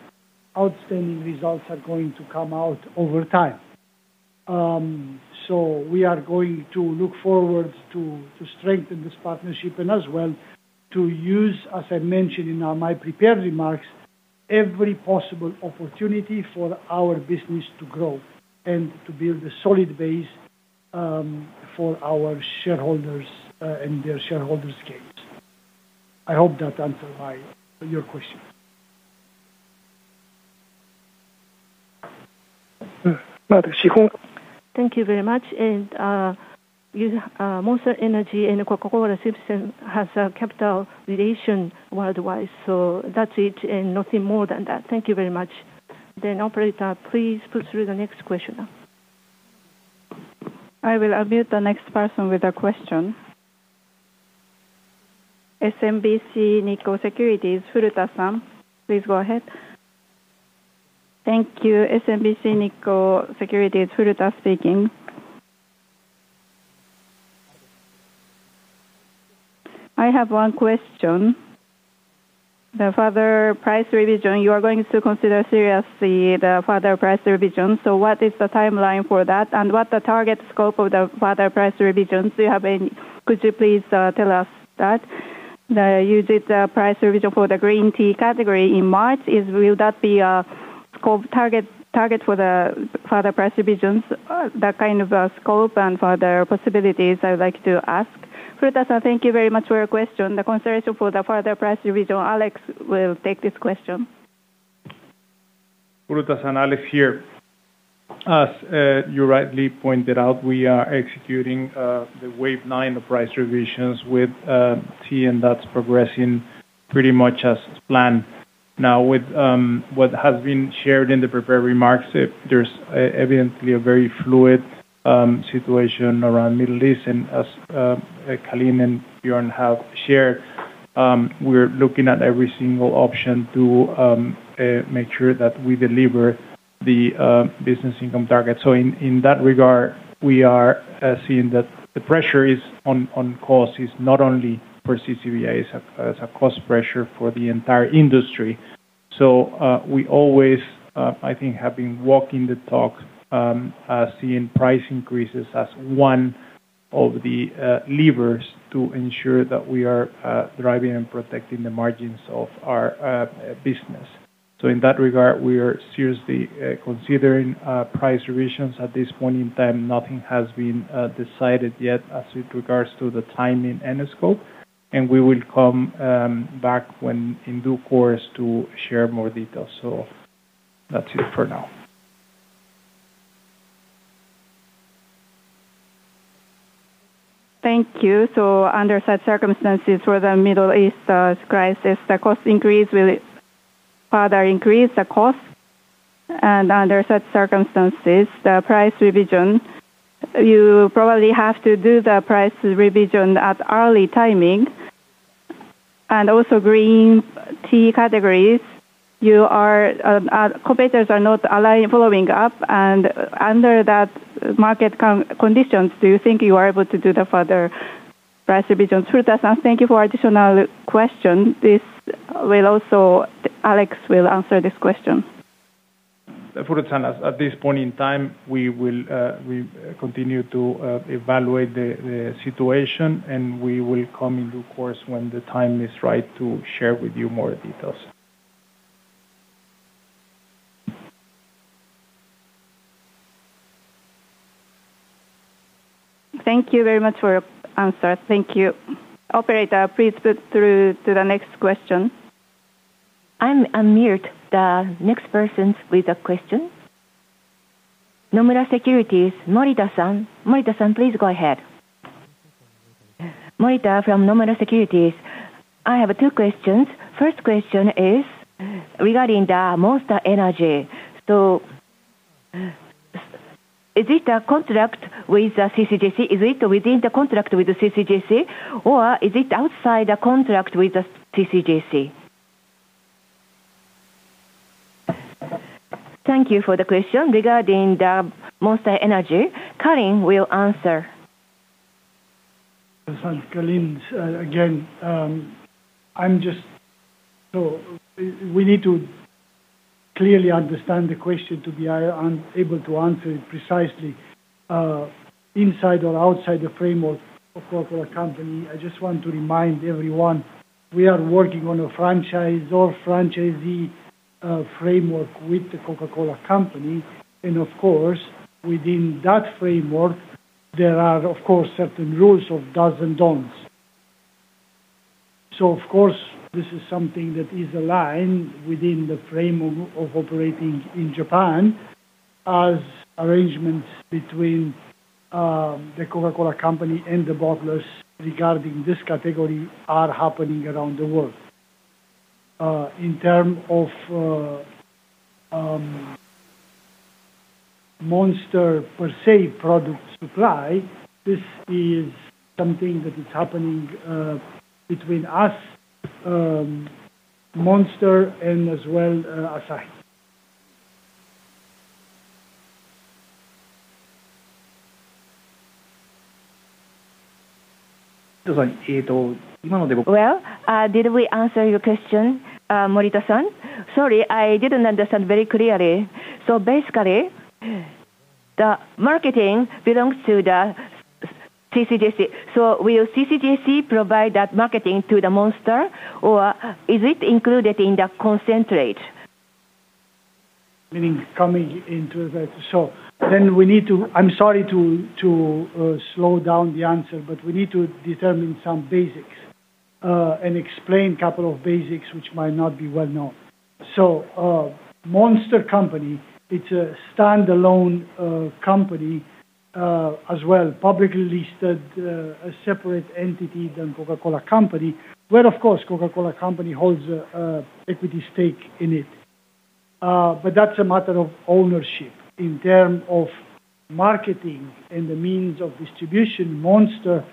outstanding results are going to come out over time. We are going to look forward to strengthen this partnership and as well to use, as I mentioned in my prepared remarks, every possible opportunity for our business to grow and to build a solid base for our shareholders and their shareholders gains. I hope that answered your question. Thank you very much. Monster Energy and Coca-Cola system has a capital relation worldwide, that's it and nothing more than that. Thank you very much. Operator, please put through the next question. I will unmute the next person with a question. SMBC Nikko Securities, Furuta-san, please go ahead. Thank you. SMBC Nikko Securities, Furuta speaking. I have one question. The further price revision, you are going to consider seriously the further price revision. What is the timeline for that? What the target scope of the further price revision? Do you have any? Could you please tell us that? You did a price revision for the green tea category in March. Will that be a scope target for the further price revisions? That kind of scope and further possibilities, I would like to ask. Furuta-san, thank you very much for your question. The consideration for the further price revision, Alex will take this question. Furuta-san, Alex here. As you rightly pointed out, we are executing the wave nine of price revisions with tea, and that's progressing pretty much as planned. Now, with what has been shared in the prepared remarks, there's evidently a very fluid situation around Middle East. As Calin and Bjorn have shared, we're looking at every single option to make sure that we deliver the business income target. In that regard, we are seeing that the pressure on costs is not only for CCBJI. It's a cost pressure for the entire industry. We always, I think, have been walking the talk, seeing price increases as one of the levers to ensure that we are driving and protecting the margins of our business. In that regard, we are seriously considering price revisions. At this point in time, nothing has been decided yet as it regards to the timing and the scope, and we will come back when in due course to share more details. That's it for now. Thank you. Under such circumstances for the Middle East crisis, the cost increase will further increase the cost. Under such circumstances, the price revision, you probably have to do the price revision at early timing. Also green tea categories, your competitors are not following up. Under that market conditions, do you think you are able to do the further price revision? Furuta-san, thank you for additional question. Alex will answer this question. Furuta-san, at this point in time, we continue to evaluate the situation, and we will come in due course when the time is right to share with you more details. Thank you very much for your answer. Thank you. Operator, please put through to the next question. I'm unmuted. The next person with a question. Nomura Securities, Morita-san. Morita-san, please go ahead. Morita from Nomura Securities. I have two questions. 1st question is regarding the Monster Energy. Is it a contract with the CCBJI? Is it within the contract with the CCBJI or is it outside the contract with the CCBJI? Thank you for the question. Regarding the Monster Energy, Calin will answer. Calin, again. We need to clearly understand the question to be able to answer it precisely, inside or outside the framework of The Coca-Cola Company. I just want to remind everyone, we are working on a franchise or franchisee framework with The Coca-Cola Company. Of course, within that framework, there are of course, certain rules of dos and don'ts. Of course, this is something that is aligned within the frame of operating in Japan as arrangements between The Coca-Cola Company and the bottlers regarding this category are happening around the world. In term of Monster per se product supply, this is something that is happening between us, Monster and as well, Asahi. Well, did we answer your question, Morita-san? Sorry, I didn't understand very clearly. Basically, the marketing belongs to the CCGC. Will CCGC provide that marketing to the Monster or is it included in the concentrate? Meaning coming into that. We need to. I'm sorry to slow down the answer, but we need to determine some basics and explain couple of basics which might not be well known. Monster Company, it's a standalone company as well, publicly listed, a separate entity than Coca-Cola Company, where of course, Coca-Cola Company holds a equity stake in it. That's a matter of ownership. In term of marketing and the means of distribution, Monster,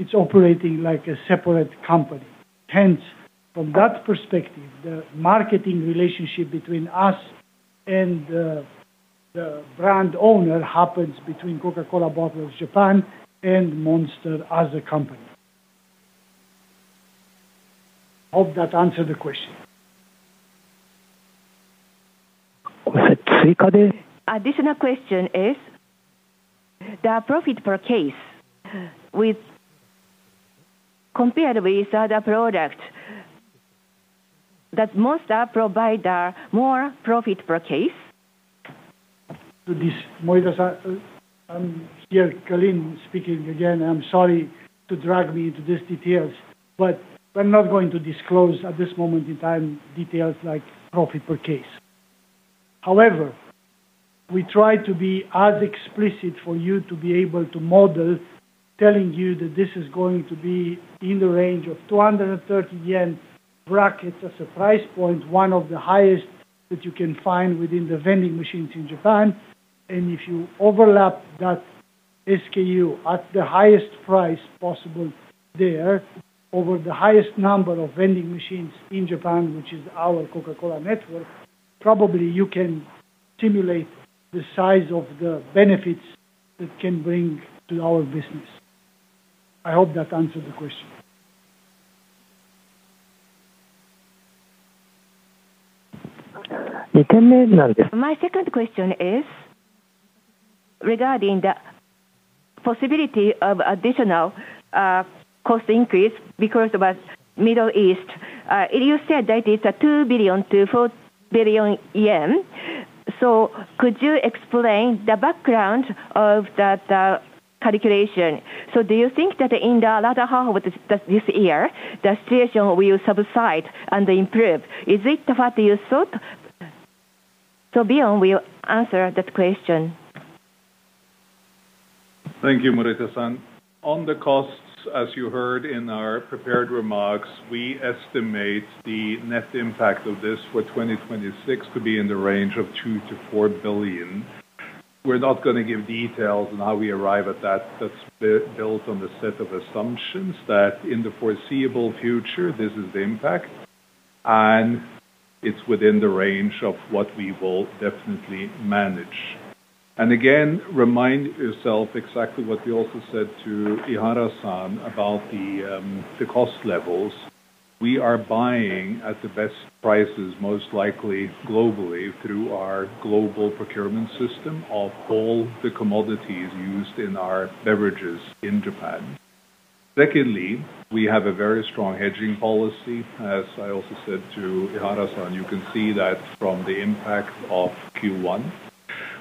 it's operating like a separate company. From that perspective, the marketing relationship between us and the brand owner happens between Coca-Cola Bottlers Japan and Monster as a company. Hope that answered the question. Additional question is, the profit per case compared with other product, does Monster provide more profit per case? To this, Morita-san, here Calin speaking again. I'm sorry to drag me into these details, but we're not going to disclose at this moment in time details like profit per case. However, we try to be as explicit for you to be able to model telling you that this is going to be in the range of 230 yen brackets as a price point, one of the highest that you can find within the vending machines in Japan. If you overlap that SKU at the highest price possible there over the highest number of vending machines in Japan, which is our Coca-Cola network, probably you can simulate the size of the benefits that can bring to our business. I hope that answered the question. My 2nd question is regarding the possibility of additional cost increase because of a Middle East. You said that it's a 2 billion-4 billion yen. Could you explain the background of that calculation? Do you think that in the latter half of this year, the situation will subside and improve? Is it what you thought? Bjorn will answer that question. Thank you, Morita-san. On the costs, as you heard in our prepared remarks, we estimate the net impact of this for 2026 to be in the range of 2 billion-4 billion. We're not gonna give details on how we arrive at that. That's built on the set of assumptions that in the foreseeable future, this is the impact, and it's within the range of what we will definitely manage. Again, remind yourself exactly what we also said to Ihara-san about the cost levels. We are buying at the best prices, most likely globally, through our global procurement system of all the commodities used in our beverages in Japan. Secondly, we have a very strong hedging policy. As I also said to Ihara-san, you can see that from the impact of Q1,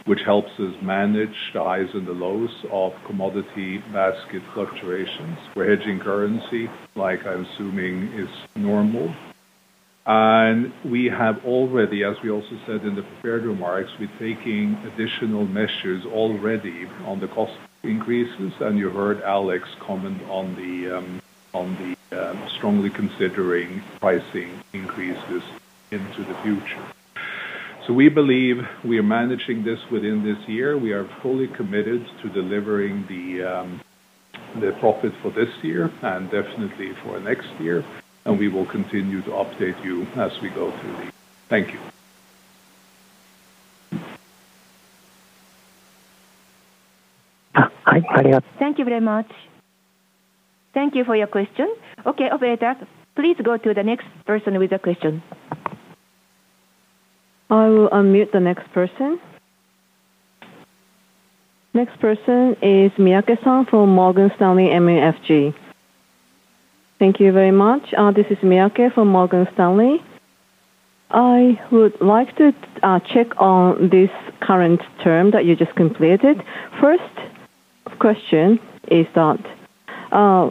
which helps us manage the highs and the lows of commodity basket fluctuations. We're hedging currency like I'm assuming is normal. We have already, as we also said in the prepared remarks, we're taking additional measures already on the cost increases. You heard Alex comment on the, on the, strongly considering pricing increases into the future. We believe we are managing this within this year. We are fully committed to delivering the profit for this year and definitely for next year, and we will continue to update you as we go through the year. Thank you. Thank you very much. Thank you for your question. Okay, operator, please go to the next person with a question. I will unmute the next person. Next person is Miyake-san from Morgan Stanley MUFG. Thank you very much. This is Miyake from Morgan Stanley. I would like to check on this current term that you just completed. 1st question is that,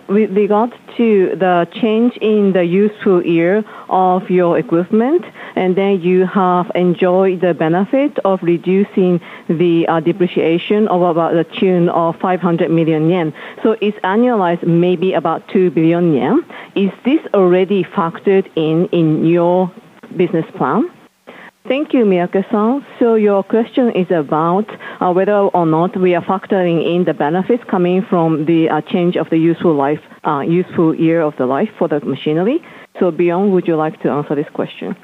with regards to the change in the useful year of your equipment, and then you have enjoyed the benefit of reducing the depreciation of about the tune of 500 million yen. It's annualized maybe about 2 billion yen. Is this already factored in in your business plan? Thank you, Miyake-san. Your question is about whether or not we are factoring in the benefits coming from the change of the useful life, useful year of the life for the machinery. Bjorn, would you like to answer this question?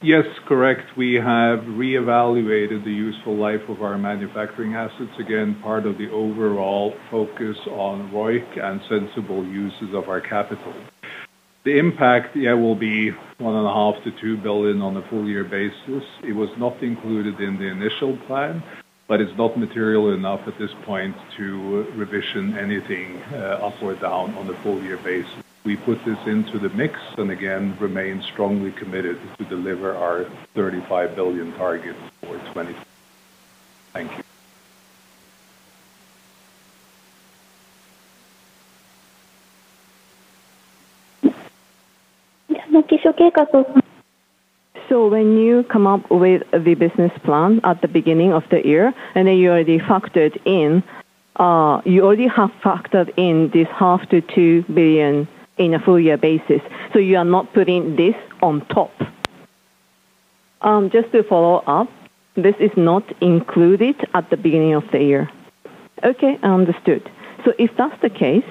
Yes, correct. We have reevaluated the useful life of our manufacturing assets. Again, part of the overall focus on ROIC and sensible uses of our capital. The impact, yeah, will be 1.5 billion-2 billion on a full year basis. It was not included in the initial plan, but it's not material enough at this point to revision anything up or down on a full year basis. We put this into the mix and again remain strongly committed to deliver our 35 billion target for 2020. Thank you. When you come up with the business plan at the beginning of the year, you already factored in, you already have factored in this half to 2 billion in a full year basis. You are not putting this on top. Just to follow up, this is not included at the beginning of the year. Okay, understood. If that's the case,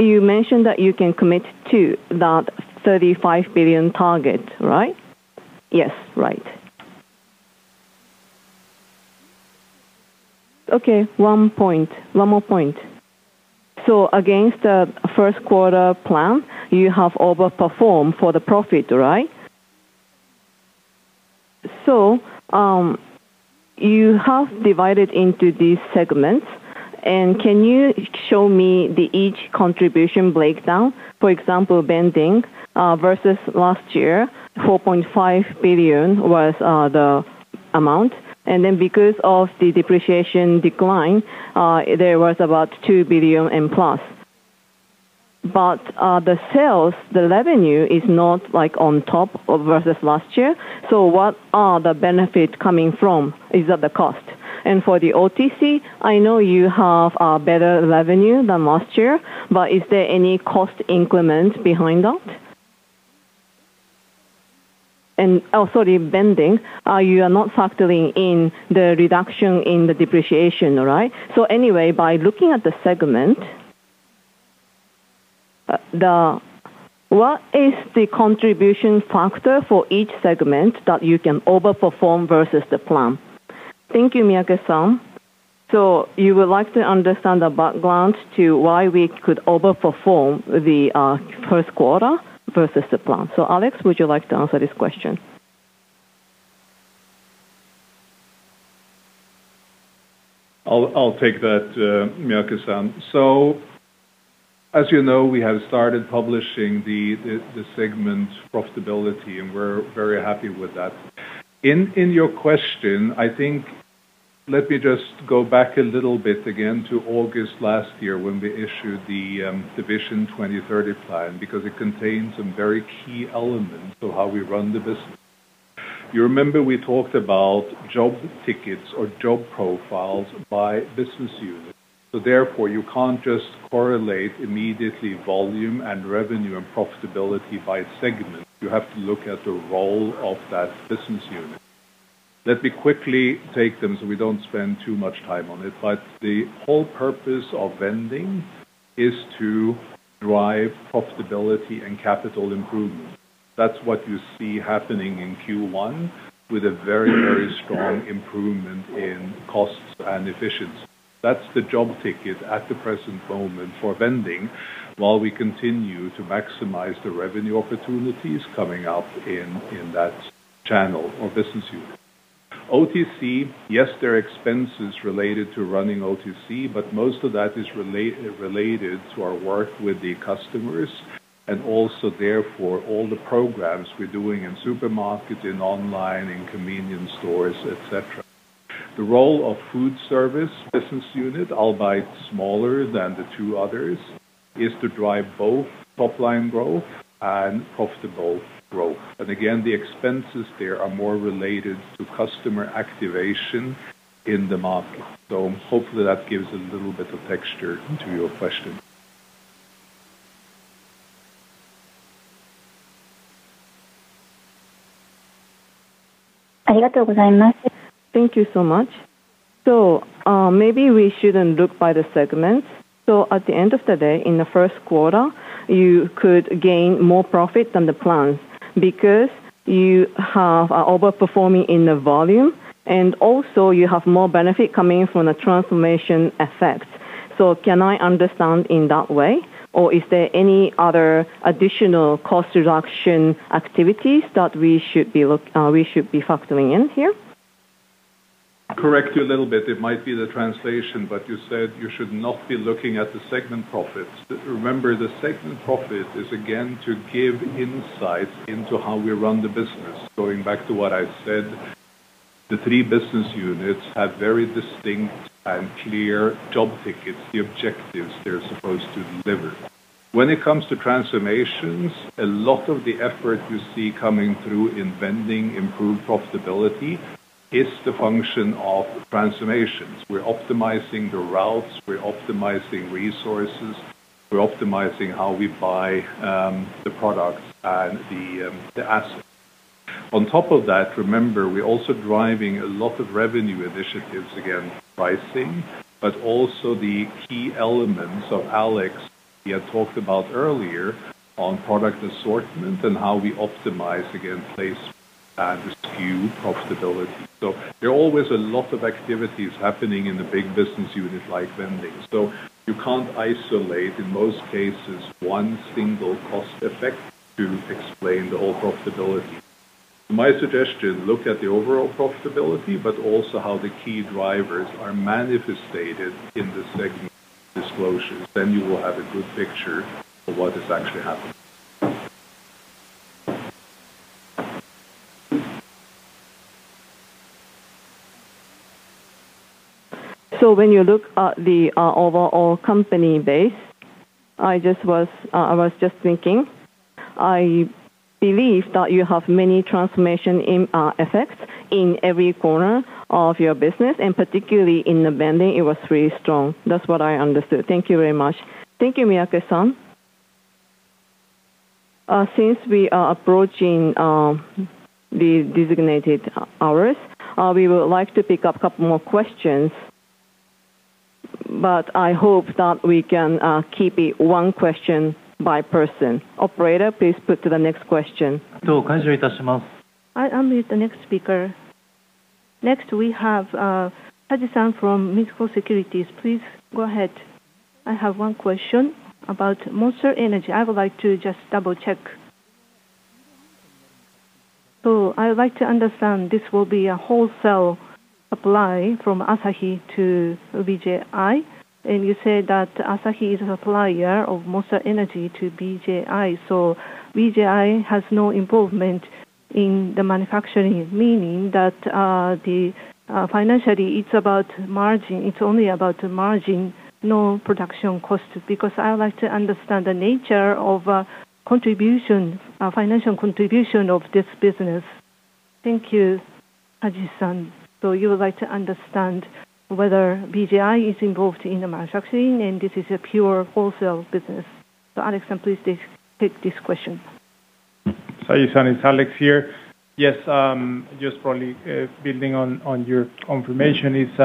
you mentioned that you can commit to that 35 billion target, right? Yes, right. Okay. One point. One more point. Against the 1st quarter plan, you have overperformed for the profit, right? You have divided into these segments, can you show me the each contribution breakdown? For example, vending, versus last year, 4.5 billion was the amount. Because of the depreciation decline, there was about 2 billion and plus. The sales, the revenue is not like on top of versus last year. What are the benefit coming from? Is that the cost? For the OTC, I know you have better revenue than last year, but is there any cost increment behind that? Oh, sorry, vending, you are not factoring in the reduction in the depreciation, right? Anyway, by looking at the segment, what is the contribution factor for each segment that you can overperform versus the plan? Thank you, Miyake-san. You would like to understand the background to why we could overperform the 1st quarter versus the plan. Alex, would you like to answer this question? I'll take that, Miyake-san. As you know, we have started publishing the segment profitability, and we're very happy with that. In your question, I think let me just go back a little bit again to August last year when we issued the Vision 2030 plan because it contains some very key elements to how we run the business. You remember we talked about job tickets or job profiles by business unit. Therefore, you can't just correlate immediately volume and revenue and profitability by segment. You have to look at the role of that business unit. Let me quickly take them so we don't spend too much time on it. The whole purpose of vending is to drive profitability and capital improvement. That's what you see happening in Q1 with a very strong improvement in costs and efficiency. That's the job ticket at the present moment for vending while we continue to maximize the revenue opportunities coming up in that channel or business unit. OTC, yes, there are expenses related to running OTC, but most of that is related to our work with the customers and also therefore all the programs we're doing in supermarkets, in online, in convenience stores, et cetera. The role of food service business unit, albeit smaller than the two others, is to drive both top-line growth and profitable growth. Again, the expenses there are more related to customer activation in the market. Hopefully that gives a little bit of texture to your question. Thank you so much. Maybe we shouldn't look by the segments. At the end of the day, in the 1st quarter, you could gain more profit than the plans because you have, are over-performing in the volume, and also you have more benefit coming from the transformation effects. Can I understand in that way? Is there any other additional cost reduction activities that we should be factoring in here? Correct you a little bit. It might be the translation, but you said you should not be looking at the segment profits. Remember, the segment profit is again to give insight into how we run the business. Going back to what I said, the three business units have very distinct and clear job tickets, the objectives they're supposed to deliver. When it comes to transformations, a lot of the effort you see coming through in vending improved profitability is the function of transformations. We're optimizing the routes, we're optimizing resources, we're optimizing how we buy the products and the assets. On top of that, remember, we're also driving a lot of revenue initiatives against pricing, but also the key elements of Alex we had talked about earlier on product assortment and how we optimize against place and SKU profitability. There are always a lot of activities happening in a big business unit like vending. You can't isolate, in most cases, one single cost effect to explain the whole profitability. My suggestion, look at the overall profitability, but also how the key drivers are manifested in the segment disclosures. You will have a good picture of what is actually happening. When you look at the overall company base, I was just thinking, I believe that you have many transformation in effects in every corner of your business, and particularly in the vending, it was really strong. That's what I understood. Thank you very much. Thank you, Miyake-san. Since we are approaching the designated hours, we would like to pick up a couple more questions, but I hope that we can keep it one question by person. Operator, please put to the next question. I'll mute the next speaker. Next, we have Haji-san from Mizuho Securities. Please go ahead. I have one question about Monster Energy. I would like to just double-check. I would like to understand, this will be a wholesale supply from Asahi to CCBJI. You said that Asahi is a supplier of Monster Energy to CCBJI. CCBJI has no involvement in the manufacturing, meaning that the financially, it's about margin. It's only about margin, no production cost. Because I would like to understand the nature of contribution, financial contribution of this business. Thank you, Haji-san. You would like to understand whether CCBJI is involved in the manufacturing and this is a pure wholesale business. Alex-san, please take this question. Haji-san, it's Alex here. Yes, just probably building on your confirmation. It's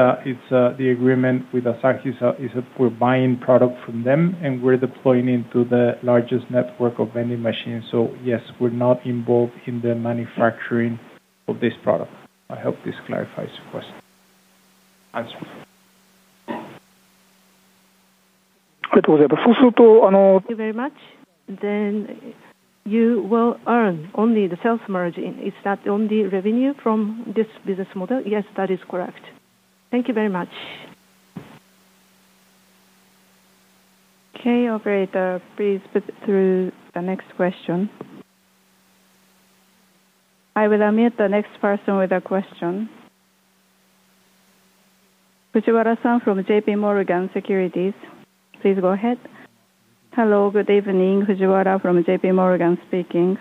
the agreement with Asahi is we're buying product from them, and we're deploying into the largest network of vending machines. Yes, we're not involved in the manufacturing of this product. I hope this clarifies your question. Answer. Thank you very much. You will earn only the sales margin. Is that only revenue from this business model? Yes, that is correct. Thank you very much. Okay. Operator, please put through the next question. I will admit the next person with a question. Fujiwara-san from J.P. Morgan Securities, please go ahead. Hello, good evening. Fujiwara from J.P. Morgan speaking.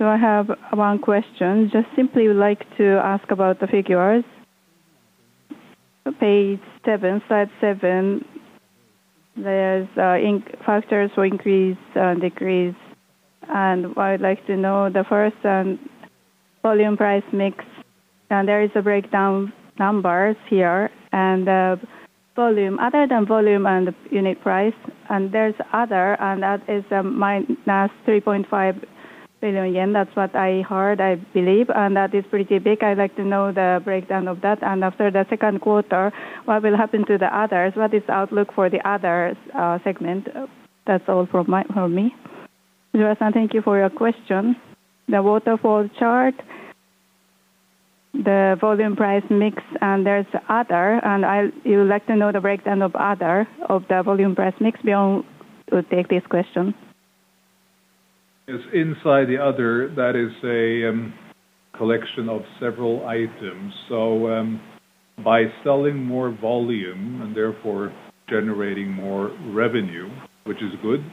I have one question. Just simply would like to ask about the figures. Page seven, slide seven, there's factors for increase and decrease. I would like to know the 1st volume price mix. There is a breakdown numbers here and volume, other than volume and unit price, and there's other, and that is minus 3.5 billion yen, that's what I heard, I believe, and that is pretty big. I'd like to know the breakdown of that. After the 2nd quarter, what will happen to the others? What is the outlook for the others segment? That's all from me. Fujiwara-san, thank you for your question. The waterfall chart, the volume price mix, and there's other, you would like to know the breakdown of other of the volume price mix. Bjorn will take this question. Yes. Inside the other, that is a collection of several items. By selling more volume and therefore generating more revenue, which is good,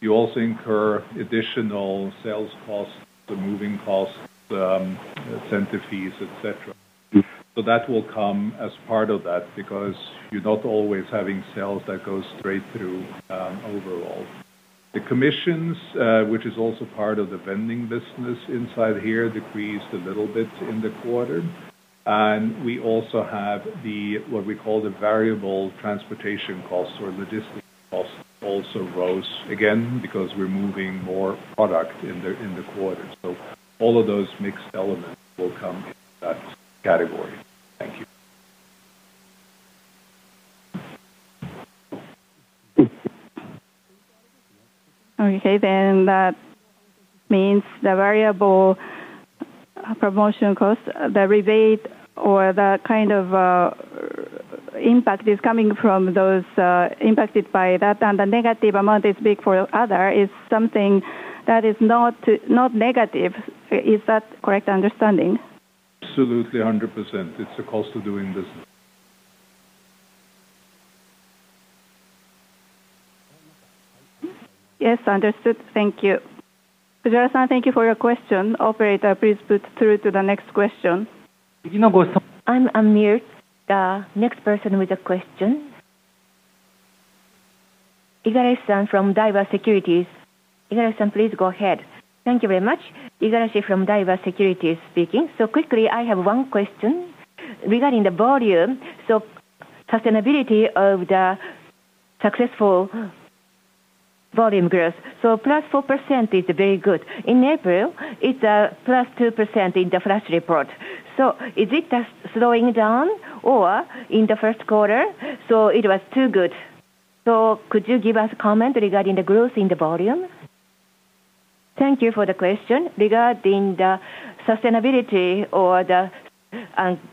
you also incur additional sales costs, the moving costs, the center fees, et cetera. That will come as part of that because you're not always having sales that go straight through overall. The commissions, which is also part of the vending business inside here, decreased a little bit in the quarter. We also have the, what we call the variable transportation costs or logistics costs also rose again because we're moving more product in the quarter. All of those mixed elements will come in that category. Thank you. That means the variable promotion costs, the rebate or the kind of impact is coming from those impacted by that and the negative amount is big for other is something that is not negative. Is that correct understanding? Absolutely 100%. It's the cost of doing business. Yes, understood. Thank you. Fujiwara-san, thank you for your question. Operator, please put through to the next question. I'll unmute the next person with a question. Igarashi-san from Daiwa Securities. Igarashi-san, please go ahead. Thank you very much. Igarashi from Daiwa Securities speaking. Quickly, I have one question regarding the volume. Sustainability of the successful volume growth. +4% is very good. In April, it's +2% in the flash report. Is it just slowing down or in the 1st quarter, it was too good? Could you give us a comment regarding the growth in the volume? Thank you for the question. Regarding the sustainability or the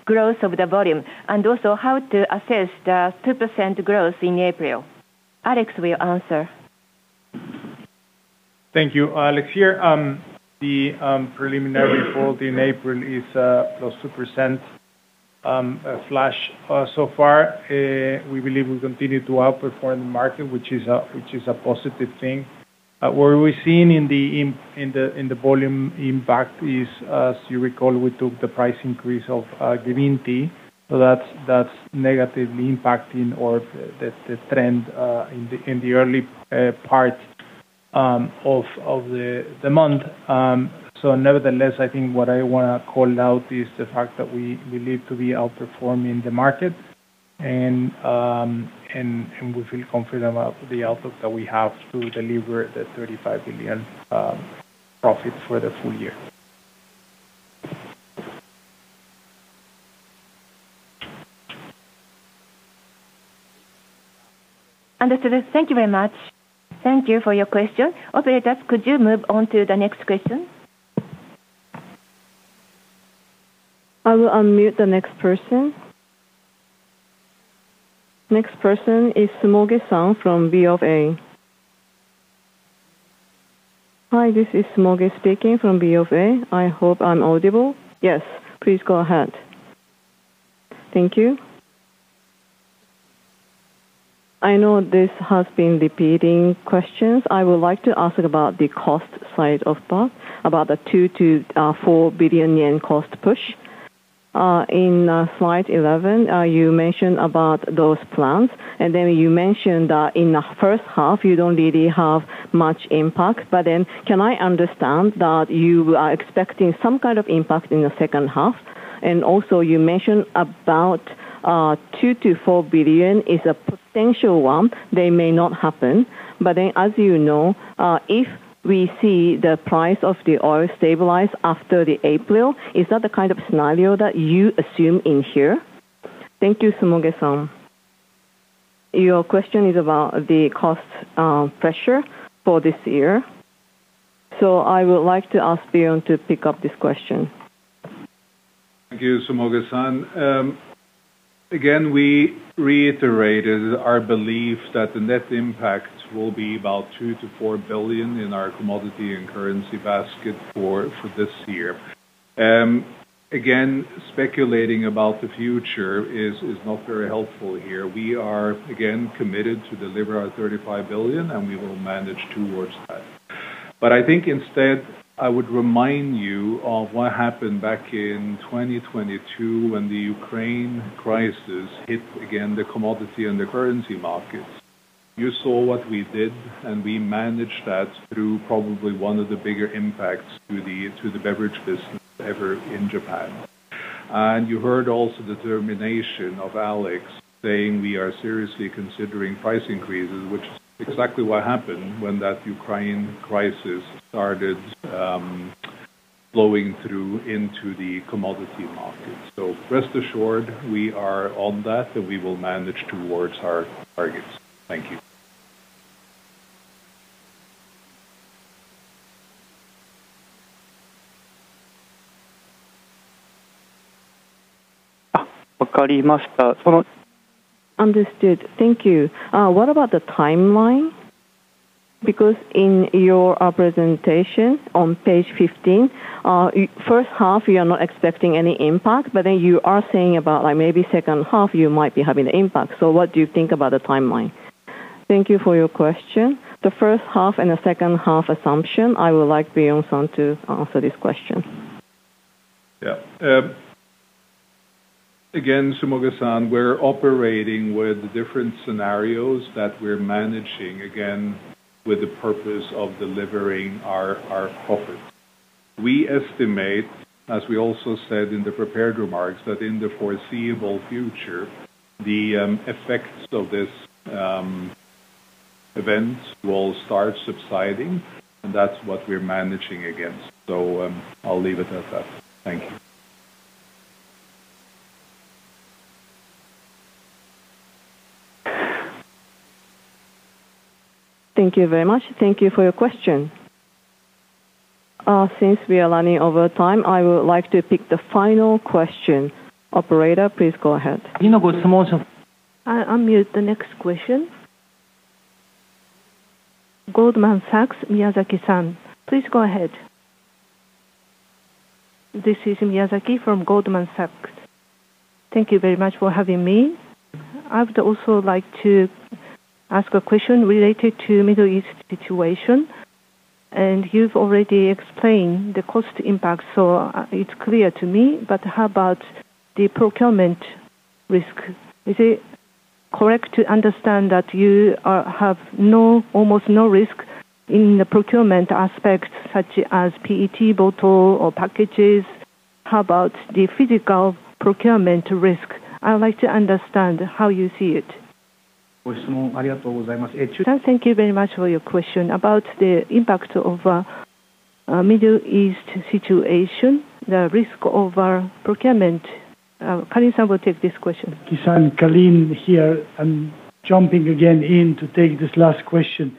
growth of the volume and also how to assess the 2% growth in April. Alex will answer. Thank you. Alex here. The preliminary report in April is +2% flash. So far, eh, we believe we continue to outperform the market, which is a positive thing. What we've seen in the volume impact is, as you recall, we took the price increase of green tea, so that's negatively impacting or the trend in the early part of the month. Nevertheless, I think what I wanna call out is the fact that we believe to be outperforming the market and we feel confident about the outlook that we have to deliver the 35 billion profit for the full year. Understood. Thank you very much. Thank you for your question. Operator, could you move on to the next question? I will unmute the next person. Next person is Sumoge-san from BofA. Hi, this is Sumoge speaking from BofA. I hope I'm audible. Yes. Please go ahead. Thank you. I know this has been repeating questions. I would like to ask about the cost side of that, about the 2 billion-4 billion yen cost push. In slide 11, you mentioned about those plans, you mentioned that in the 1st half you don't really have much impact. Can I understand that you are expecting some kind of impact in the second half? You mentioned about 2 billion-4 billion is a potential one, they may not happen. As you know, if we see the price of the oil stabilize after the April, is that the kind of scenario that you assume in here? Thank you, Sumoge-san. Your question is about the cost, pressure for this year. I would like to ask Bjorn to pick up this question. Thank you, Sumoge-san. Again, we reiterated our belief that the net impact will be about 2 billion-4 billion in our commodity and currency basket for this year. Again, speculating about the future is not very helpful here. We are, again, committed to deliver our 35 billion, we will manage towards that. I think instead, I would remind you of what happened back in 2022 when the Ukraine crisis hit again the commodity and the currency markets. You saw what we did, we managed that through probably one of the bigger impacts to the beverage business ever in Japan. You heard also the determination of Alex saying we are seriously considering price increases, which is exactly what happened when that Ukraine crisis started, flowing through into the commodity market. Rest assured, we are on that and we will manage towards our targets. Thank you. Understood. Thank you. What about the timeline? In your presentation on page 15, 1st half, you are not expecting any impact, but then you are saying about, like, maybe second half, you might be having the impact. What do you think about the timeline? Thank you for your question. The 1st half and the second half assumption, I would like Bjorn to answer this question. Again, Sumoge-san, we're operating with different scenarios that we're managing, again, with the purpose of delivering our profits. We estimate, as we also said in the prepared remarks, that in the foreseeable future, the effects of this event will start subsiding, and that's what we're managing against. I'll leave it at that. Thank you. Thank you very much. Thank you for your question. Since we are running over time, I would like to pick the final question. Operator, please go ahead. I unmute the next question. Goldman Sachs, Miyazaki-san. Please go ahead. This is Miyazaki from Goldman Sachs. Thank you very much for having me. I would also like to ask a question related to Middle East situation. You've already explained the cost impact, so it's clear to me. How about the procurement risk? Is it correct to understand that you have no, almost no risk in the procurement aspect, such as PET bottle or packages? How about the physical procurement risk? I would like to understand how you see it. Thank you very much for your question. About the impact of Middle East situation, the risk of our procurement, Calin-san will take this question. Kisan, Calin's here. I'm jumping again in to take this last question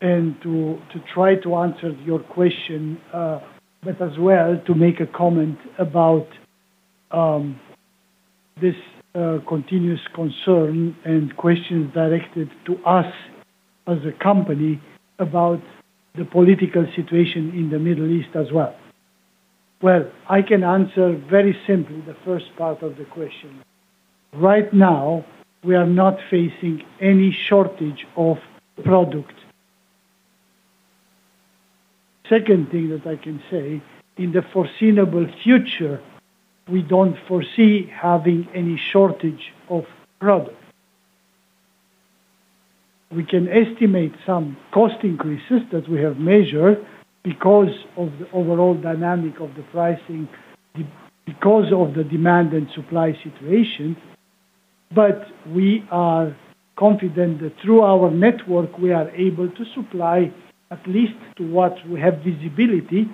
and to try to answer your question, but as well to make a comment about this continuous concern and questions directed to us as a company about the political situation in the Middle East as well. Well, I can answer very simply the 1st part of the question. Right now, we are not facing any shortage of product. Second thing that I can say, in the foreseeable future, we don't foresee having any shortage of product. We can estimate some cost increases that we have measured because of the overall dynamic of the pricing, because of the demand and supply situation, but we are confident that through our network, we are able to supply at least to what we have visibility,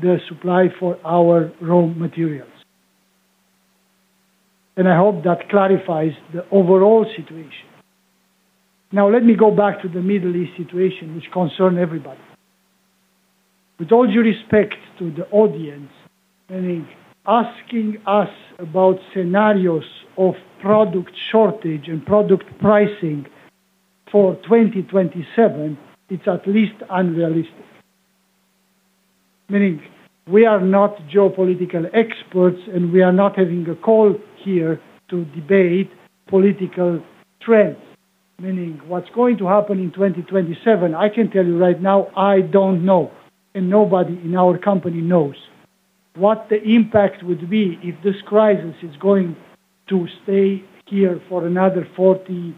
the supply for our raw materials. I hope that clarifies the overall situation. Let me go back to the Middle East situation, which concerns everybody. With all due respect to the audience, I mean, asking us about scenarios of product shortage and product pricing for 2027, it's at least unrealistic. Meaning, we are not geopolitical experts, and we are not having a call here to debate political trends. Meaning, what's going to happen in 2027, I can tell you right now, I don't know, and nobody in our company knows. What the impact would be if this crisis is going to stay here for another 40,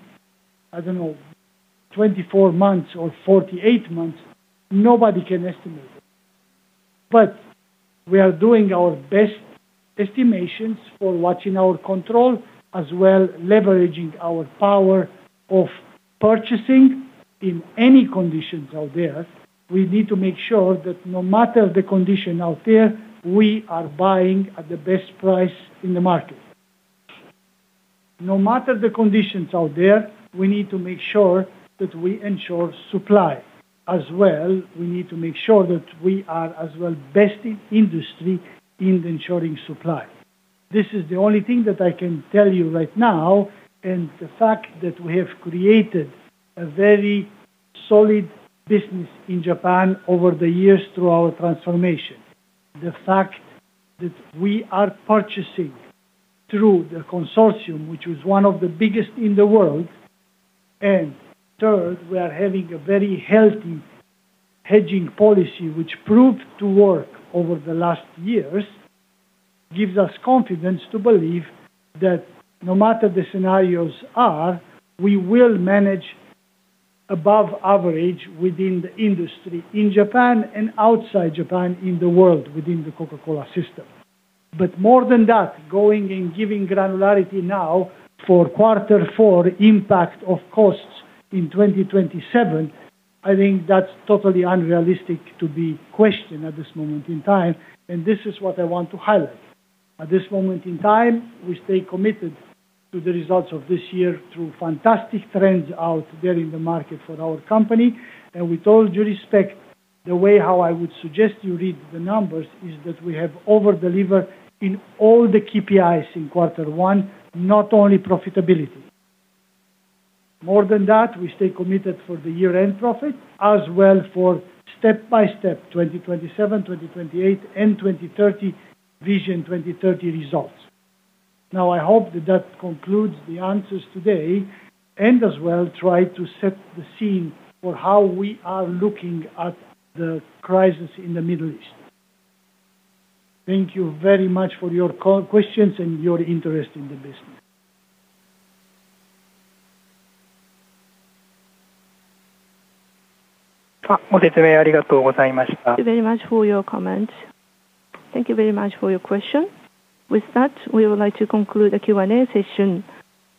I don't know, 24 months or 48 months, nobody can estimate. We are doing our best estimations for what's in our control, as well leveraging our power of purchasing in any conditions out there. We need to make sure that no matter the condition out there, we are buying at the best price in the market. No matter the conditions out there, we need to make sure that we ensure supply. As well, we need to make sure that we are as well best in industry in ensuring supply. This is the only thing that I can tell you right now. The fact that we have created a very solid business in Japan over the years through our transformation. The fact that we are purchasing through the consortium, which is one of the biggest in the world. Third, we are having a very healthy hedging policy which proved to work over the last years, gives us confidence to believe that no matter the scenarios are, we will manage above average within the industry in Japan and outside Japan in the world within the Coca-Cola system. More than that, going and giving granularity now for quarter four impact of costs in 2027, I think that's totally unrealistic to be questioned at this moment in time. This is what I want to highlight. At this moment in time, we stay committed to the results of this year through fantastic trends out there in the market for our company. With all due respect, the way how I would suggest you read the numbers is that we have over-delivered in all the KPIs in quarter one, not only profitability. More than that, we stay committed for the year-end profit, as well for step-by-step 2027, 2028, and 2030, Vision 2030 results. Now, I hope that that concludes the answers today, and as well try to set the scene for how we are looking at the crisis in the Middle East. Thank you very much for your questions and your interest in the business. Thank you very much for your comments. Thank you very much for your question. With that, we would like to conclude the Q&A session.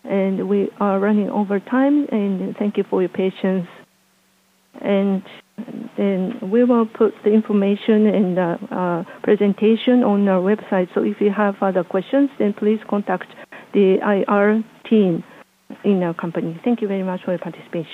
We are running over time. Thank you for your patience. We will put the information in the presentation on our website. If you have other questions, please contact the IR team in our company. Thank you very much for your participation.